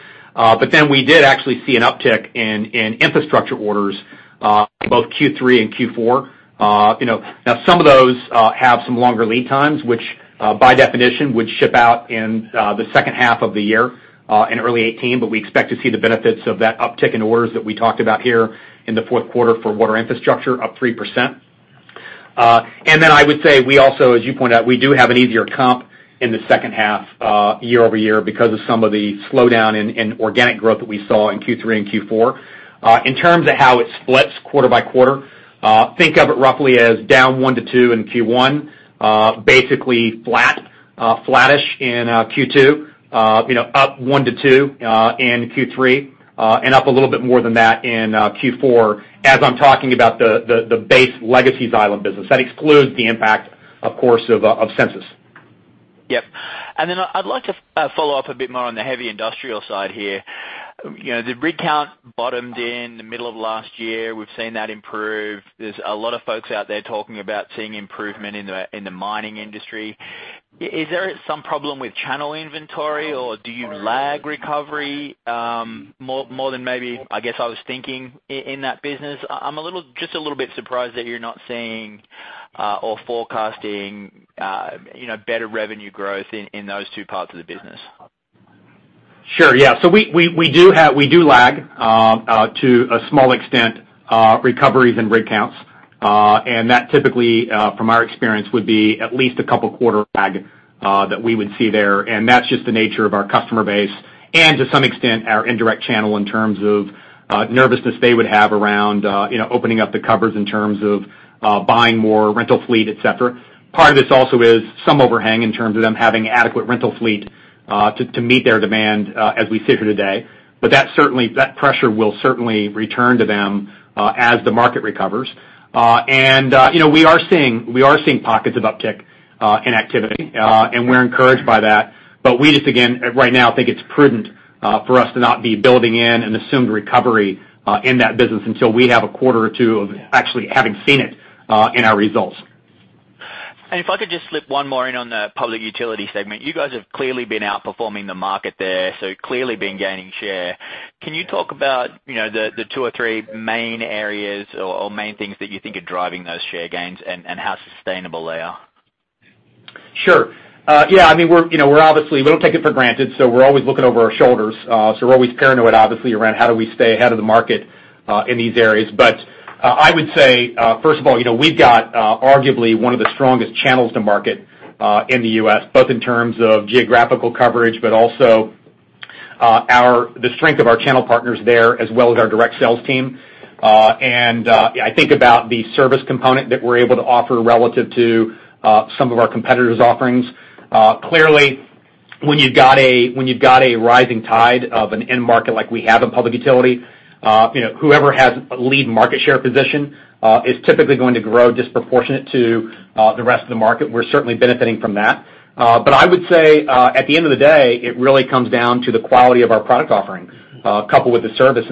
We did actually see an uptick in infrastructure orders, both Q3 and Q4. Now, some of those have some longer lead times, which by definition would ship out in the second half of the year, in early 2018. We expect to see the benefits of that uptick in orders that we talked about here in the fourth quarter for water infrastructure, up 3%. I would say we also, as you point out, we do have an easier comp year-over-year in the second half because of some of the slowdown in organic growth that we saw in Q3 and Q4. In terms of how it splits quarter by quarter, think of it roughly as down 1%-2% in Q1, basically flat, flattish in Q2, up 1%-2% in Q3, and up a little bit more than that in Q4 as I'm talking about the base legacy Xylem business. That excludes the impact, of course, of Sensus. Yep. I'd like to follow up a bit more on the heavy industrial side here. The rig count bottomed in the middle of last year. We've seen that improve. There's a lot of folks out there talking about seeing improvement in the mining industry. Is there some problem with channel inventory or do you lag recovery more than maybe, I guess, I was thinking in that business? I'm just a little bit surprised that you're not seeing or forecasting better revenue growth in those two parts of the business. Sure, yeah. We do lag, to a small extent, recoveries and rig counts. That typically, from our experience, would be at least a couple-quarter lag that we would see there, and that's just the nature of our customer base and to some extent, our indirect channel in terms of nervousness they would have around opening up the covers in terms of buying more rental fleet, et cetera. Part of this also is some overhang in terms of them having adequate rental fleet to meet their demand as we sit here today. That pressure will certainly return to them as the market recovers. We are seeing pockets of uptick in activity, and we're encouraged by that. We just, again, right now think it's prudent for us to not be building in an assumed recovery in that business until we have a quarter or two of actually having seen it in our results. If I could just slip one more in on the public utility segment. You guys have clearly been outperforming the market there, so clearly been gaining share. Can you talk about the two or three main areas or main things that you think are driving those share gains and how sustainable they are? Sure. Yeah, we don't take it for granted, we're always looking over our shoulders. We're always paranoid, obviously, around how do we stay ahead of the market in these areas. I would say, first of all, we've got arguably one of the strongest channels to market in the U.S., both in terms of geographical coverage, but also the strength of our channel partners there, as well as our direct sales team. I think about the service component that we're able to offer relative to some of our competitors' offerings. Clearly, when you've got a rising tide of an end market like we have in public utility, whoever has a lead market share position is typically going to grow disproportionate to the rest of the market. We're certainly benefiting from that. I would say, at the end of the day, it really comes down to the quality of our product offering coupled with the service.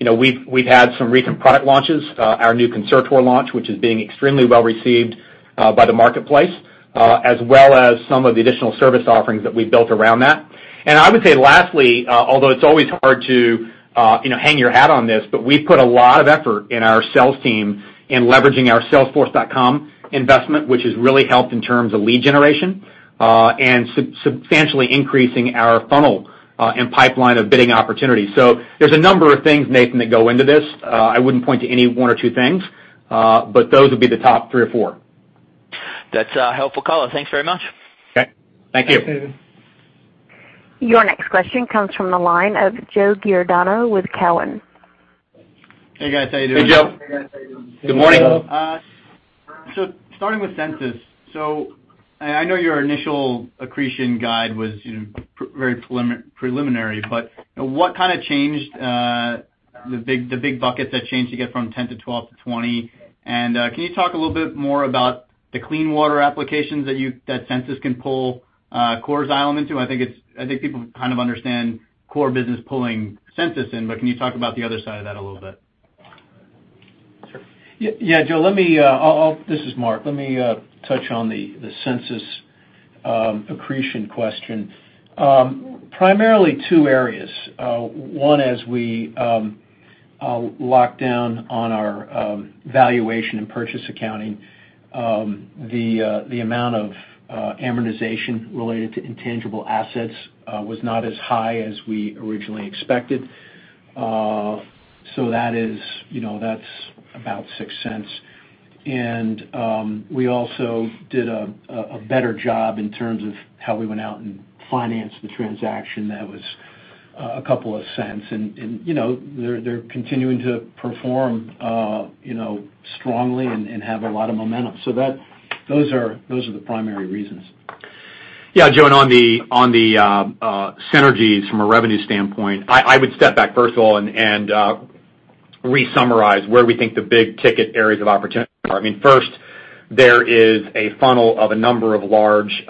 We've had some recent product launches. Our new Concertor launch, which is being extremely well-received by the marketplace, as well as some of the additional service offerings that we've built around that. I would say lastly, although it's always hard to hang your hat on this, we've put a lot of effort in our sales team in leveraging our Salesforce.com investment, which has really helped in terms of lead generation and substantially increasing our funnel and pipeline of bidding opportunities. There's a number of things, Nathan, that go into this. I wouldn't point to any one or two things, but those would be the top three or four. That's a helpful call. Thanks very much. Okay. Thank you. Your next question comes from the line of Joe Giordano with Cowen. Hey, guys, how you doing? Hey, Joe. Good morning. Starting with Sensus. I know your initial accretion guide was very preliminary, but what kind of changed the big buckets that changed to get from 10 to 12 to 20? Can you talk a little bit more about the clean water applications that Sensus can pull Core Xylem into? I think people kind of understand Core business pulling Sensus in, but can you talk about the other side of that a little bit? Sure. Yeah, Joe. This is Mark. Let me touch on the Sensus accretion question. Primarily two areas. One, as we lock down on our valuation and purchase accounting, the amount of amortization related to intangible assets was not as high as we originally expected. That's about $0.06. We also did a better job in terms of how we went out and financed the transaction. That was a couple of cents. They're continuing to perform strongly and have a lot of momentum. Those are the primary reasons. Joe, on the synergies from a revenue standpoint, I would step back first of all and re-summarize where we think the big-ticket areas of opportunity are. First, there is a funnel of a number of large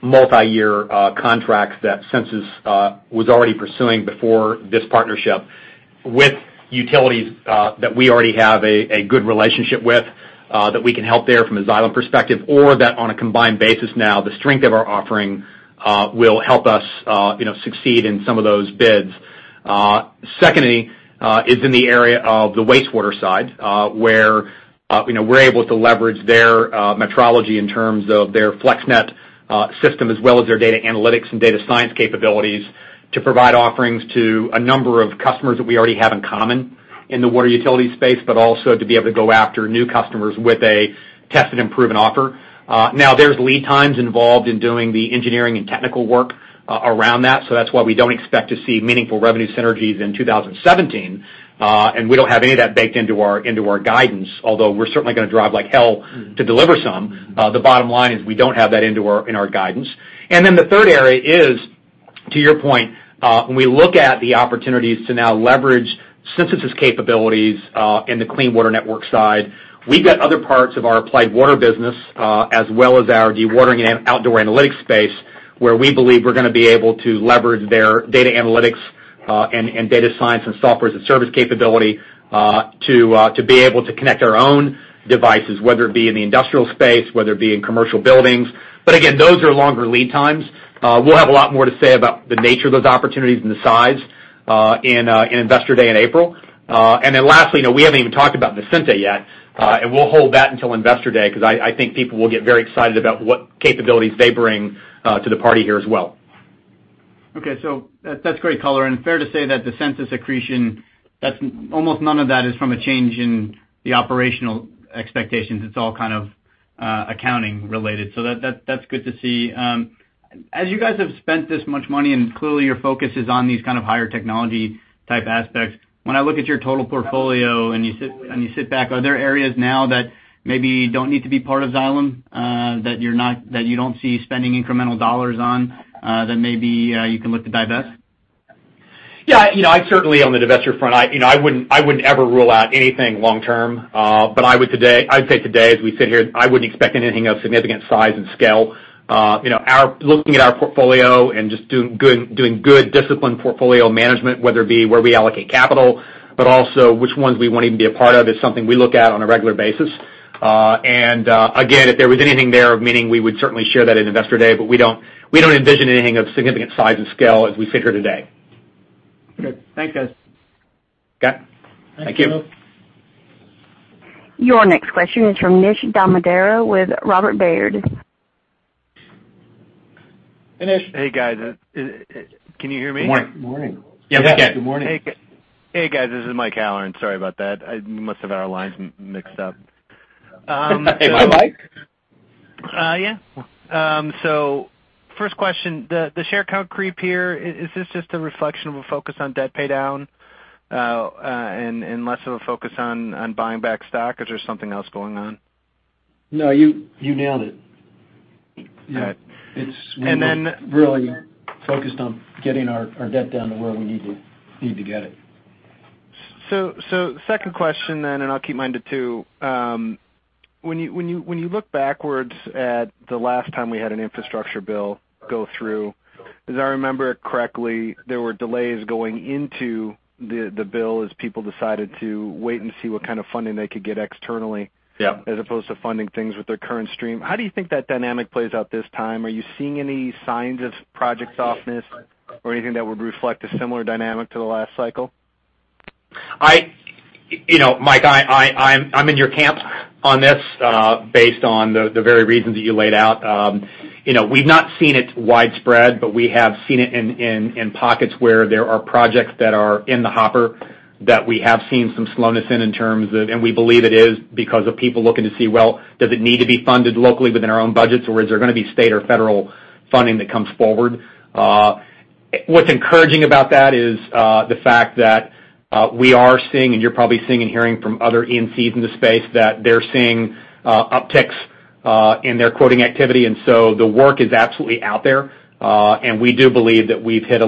multi-year contracts that Sensus was already pursuing before this partnership with utilities that we already have a good relationship with, that we can help there from a Xylem perspective, or that on a combined basis now, the strength of our offering will help us succeed in some of those bids. Secondly, is in the area of the wastewater side, where we're able to leverage their metrology in terms of their FlexNet system, as well as their data analytics and data science capabilities to provide offerings to a number of customers that we already have in common in the water utility space, but also to be able to go after new customers with a tested and proven offer. Now, there's lead times involved in doing the engineering and technical work around that, so that's why we don't expect to see meaningful revenue synergies in 2017. We don't have any of that baked into our guidance, although we're certainly going to drive like hell to deliver some. The bottom line is we don't have that in our guidance. The third area is, to your point, when we look at the opportunities to now leverage Sensus' capabilities in the clean water network side, we've got other parts of our Applied Water business, as well as our dewatering and outdoor analytics space, where we believe we're going to be able to leverage their data analytics and data science and software as a service capability to be able to connect our own devices, whether it be in the industrial space, whether it be in commercial buildings. Again, those are longer lead times. We'll have a lot more to say about the nature of those opportunities and the size in Investor Day in April. Lastly, we haven't even talked about Visenti yet, and we'll hold that until Investor Day because I think people will get very excited about what capabilities they bring to the party here as well. Okay, that's great color. Fair to say that the Sensus accretion, almost none of that is from a change in the operational expectations. It's all kind of accounting related. That's good to see. As you guys have spent this much money, clearly, your focus is on these kind of higher technology type aspects, when I look at your total portfolio and you sit back, are there areas now that maybe don't need to be part of Xylem, that you don't see spending incremental dollars on, that maybe you can look to divest? Yeah. Certainly on the divesture front, I wouldn't ever rule out anything long term. I would say today, as we sit here, I wouldn't expect anything of significant size and scale. Looking at our portfolio and just doing good, disciplined portfolio management, whether it be where we allocate capital, but also which ones we won't even be a part of, is something we look at on a regular basis. Again, if there was anything there of meaning, we would certainly share that at Investor Day, we don't envision anything of significant size and scale as we sit here today. Good. Thanks, guys. Okay. Thank you. Thank you. Your next question is from Nish Dalmadara with Robert Baird. Hey, Nish. Hey, guys. Can you hear me? Morning. Morning. Hey, guys, this is Michael Halloran. Sorry about that. I must have had our lines mixed up. Hey, Mike. Yeah. First question, the share count creep here, is this just a reflection of a focus on debt paydown and less of a focus on buying back stock? Or is there something else going on? No, you nailed it. Got it. We're really focused on getting our debt down to where we need to get it. second question then, and I'll keep mine to two. When you look backwards at the last time we had an infrastructure bill go through, as I remember it correctly, there were delays going into the bill as people decided to wait and see what kind of funding they could get externally- Yeah as opposed to funding things with their current stream. How do you think that dynamic plays out this time? Are you seeing any signs of project softness or anything that would reflect a similar dynamic to the last cycle? Mike, I'm in your camp on this based on the very reasons that you laid out. We've not seen it widespread, but we have seen it in pockets where there are projects that are in the hopper that we have seen some slowness in, and we believe it is because of people looking to see, well, does it need to be funded locally within our own budgets, or is there going to be state or federal funding that comes forward? What's encouraging about that is the fact that we are seeing, and you're probably seeing and hearing from other E&Cs in the space, that they're seeing upticks in their quoting activity. We do believe that we've hit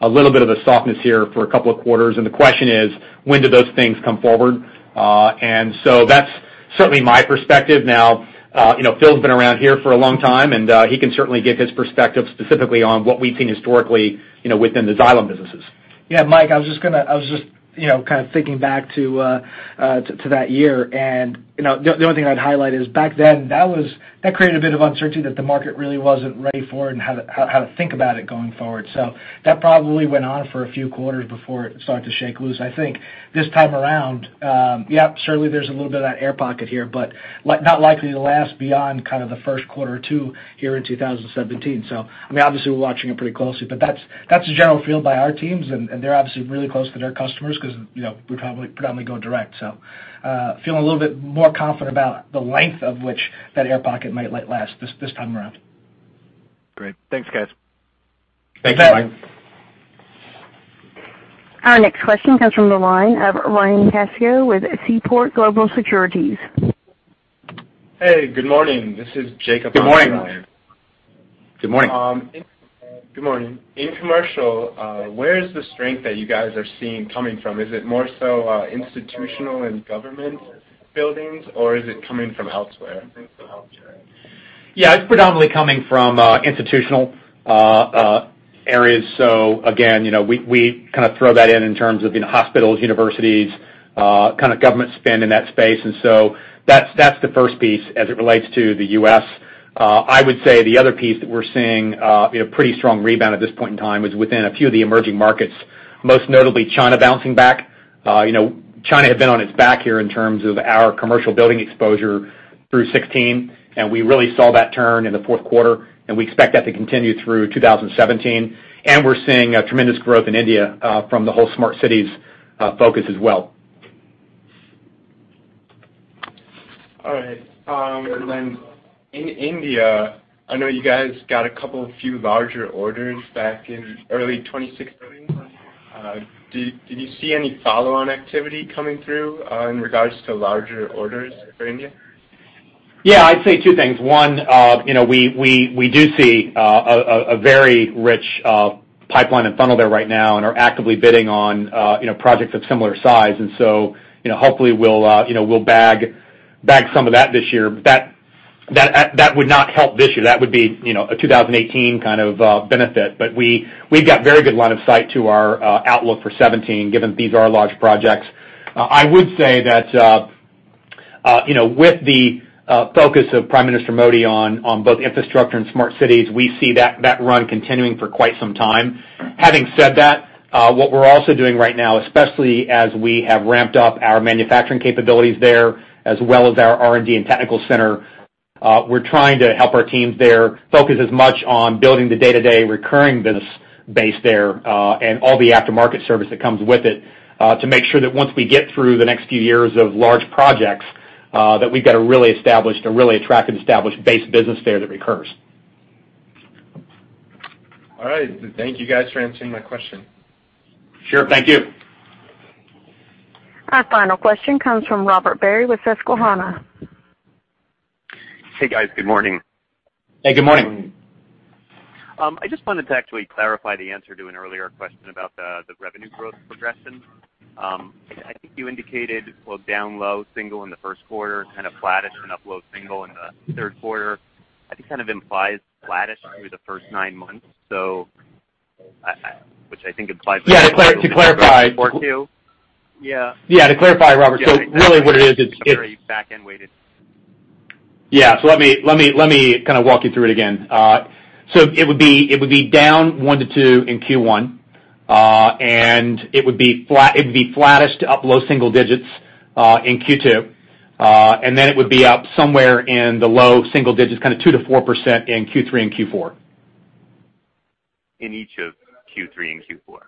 a little bit of a softness here for a couple of quarters, and the question is, when do those things come forward? That's certainly my perspective. Now, Phil's been around here for a long time, and he can certainly give his perspective specifically on what we've seen historically within the Xylem businesses. Mike, I was just kind of thinking back to that year, the only thing I'd highlight is back then, that created a bit of uncertainty that the market really wasn't ready for and how to think about it going forward. That probably went on for a few quarters before it started to shake loose. I think this time around, certainly there's a little bit of that air pocket here, but not likely to last beyond kind of the first quarter or two here in 2017. Obviously we're watching it pretty closely, but that's the general feel by our teams, and they're obviously really close with our customers because we predominantly go direct. Feeling a little bit more confident about the length of which that air pocket might last this time around. Great. Thanks, guys. Thanks, Mike. Our next question comes from the line of Ryan Connors with Seaport Global Securities. Hey, good morning. This is Jacob on the line. Good morning. Good morning. Good morning. In commercial, where is the strength that you guys are seeing coming from? Is it more so institutional and government buildings, or is it coming from elsewhere? It's predominantly coming from institutional areas. Again, we kind of throw that in in terms of hospitals, universities, kind of government spend in that space. That's the first piece as it relates to the U.S. I would say the other piece that we're seeing a pretty strong rebound at this point in time is within a few of the emerging markets, most notably China bouncing back. China had been on its back here in terms of our commercial building exposure through 2016, and we really saw that turn in the fourth quarter, and we expect that to continue through 2017. We're seeing tremendous growth in India from the whole smart cities focus as well. All right. In India, I know you guys got a couple few larger orders back in early 2016. Did you see any follow-on activity coming through in regards to larger orders for India? I'd say two things. We do see a very rich pipeline and funnel there right now and are actively bidding on projects of similar size. Hopefully we'll bag some of that this year. That would not help this year. That would be a 2018 kind of benefit. We've got very good line of sight to our outlook for 2017, given these are large projects. I would say that with the focus of Prime Minister Modi on both infrastructure and smart cities, we see that run continuing for quite some time. Having said that, what we're also doing right now, especially as we have ramped up our manufacturing capabilities there, as well as our R&D and technical center, we're trying to help our teams there focus as much on building the day-to-day recurring business base there, and all the aftermarket service that comes with it, to make sure that once we get through the next few years of large projects, that we've got a really established, a really attractive established base business there that recurs. All right. Thank you guys for answering my question. Sure. Thank you. Our final question comes from Robert Barry with Susquehanna. Hey, guys. Good morning. Hey, good morning. I just wanted to actually clarify the answer to an earlier question about the revenue growth progression. I think you indicated, well, down low single in the first quarter and kind of flattish and up low single in the third quarter. I think kind of implies flattish through the first nine months, which I think implies. Yeah, to clarify. Yeah. Yeah, to clarify, Robert, really what it is. Very back-end weighted. Yeah. Let me kind of walk you through it again. It would be down one to two in Q1. It would be flattest to up low single digits in Q2. It would be up somewhere in the low single digits, kind of two to 4% in Q3 and Q4. In each of Q3 and Q4?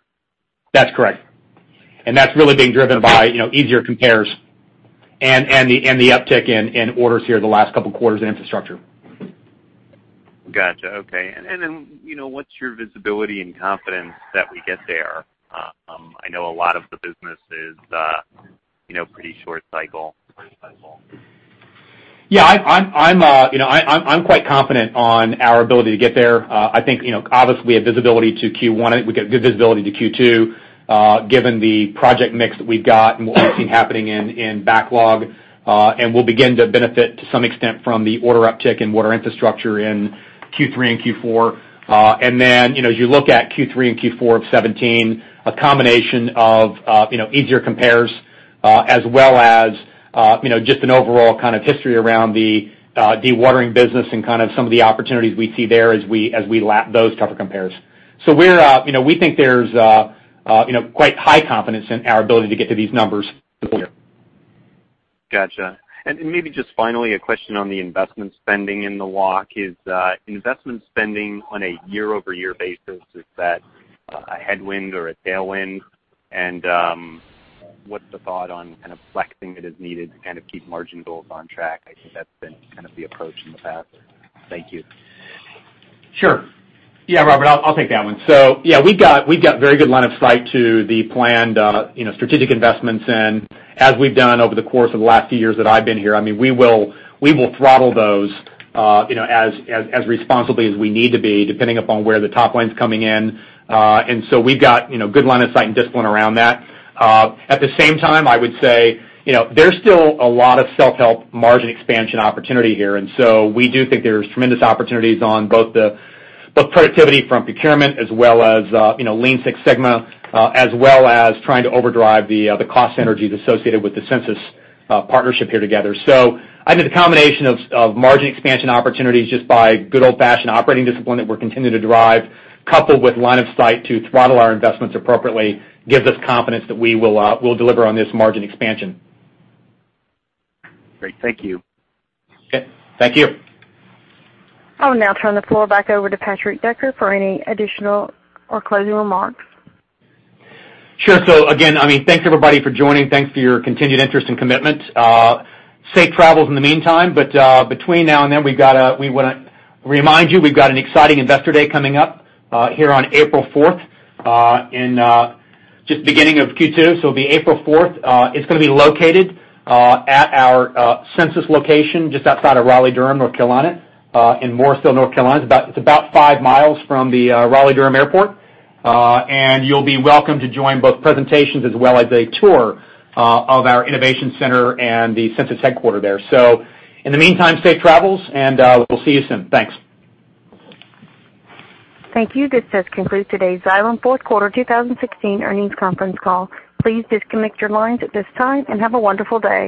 That's correct. That's really being driven by easier compares and the uptick in orders here the last couple of quarters in infrastructure. Got you. Okay. What's your visibility and confidence that we get there? I know a lot of the business is pretty short cycle. I'm quite confident on our ability to get there. I think, obviously we have visibility to Q1. We get good visibility to Q2, given the project mix that we've got and what we've seen happening in backlog. We'll begin to benefit to some extent from the order uptick in Water Infrastructure in Q3 and Q4. As you look at Q3 and Q4 of 2017, a combination of easier compares, as well as just an overall kind of history around the dewatering business and kind of some of the opportunities we see there as we lap those tougher compares. We think there's quite high confidence in our ability to get to these numbers this year. Got you. Maybe just finally, a question on the investment spending in the walk. Is investment spending on a year-over-year basis, is that a headwind or a tailwind? What's the thought on kind of flexing that is needed to kind of keep margin goals on track? I think that's been kind of the approach in the past. Thank you. Sure. Yeah, Robert, I'll take that one. We've got very good line of sight to the planned strategic investments. As we've done over the course of the last few years that I've been here, we will throttle those as responsibly as we need to be, depending upon where the top line's coming in. We've got good line of sight and discipline around that. At the same time, I would say there's still a lot of self-help margin expansion opportunity here. We do think there's tremendous opportunities on both productivity from procurement as well as Lean Six Sigma, as well as trying to overdrive the cost synergies associated with the Sensus partnership here together. I think the combination of margin expansion opportunities just by good old-fashioned operating discipline that we're continuing to drive, coupled with line of sight to throttle our investments appropriately, gives us confidence that we'll deliver on this margin expansion. Great. Thank you. Okay. Thank you. I will now turn the floor back over to Patrick Decker for any additional or closing remarks. Sure. Again, thanks everybody for joining. Thanks for your continued interest and commitment. Safe travels in the meantime. Between now and then, we want to remind you, we've got an exciting Investor Day coming up here on April 4th in just beginning of Q2, it'll be April 4th. It's going to be located at our Sensus location just outside of Raleigh-Durham, North Carolina, in Morrisville, North Carolina. It's about five miles from the Raleigh-Durham Airport. You'll be welcome to join both presentations as well as a tour of our innovation center and the Sensus headquarter there. In the meantime, safe travels, and we'll see you soon. Thanks. Thank you. This does conclude today's Xylem Fourth Quarter 2016 Earnings Conference Call. Please disconnect your lines at this time and have a wonderful day.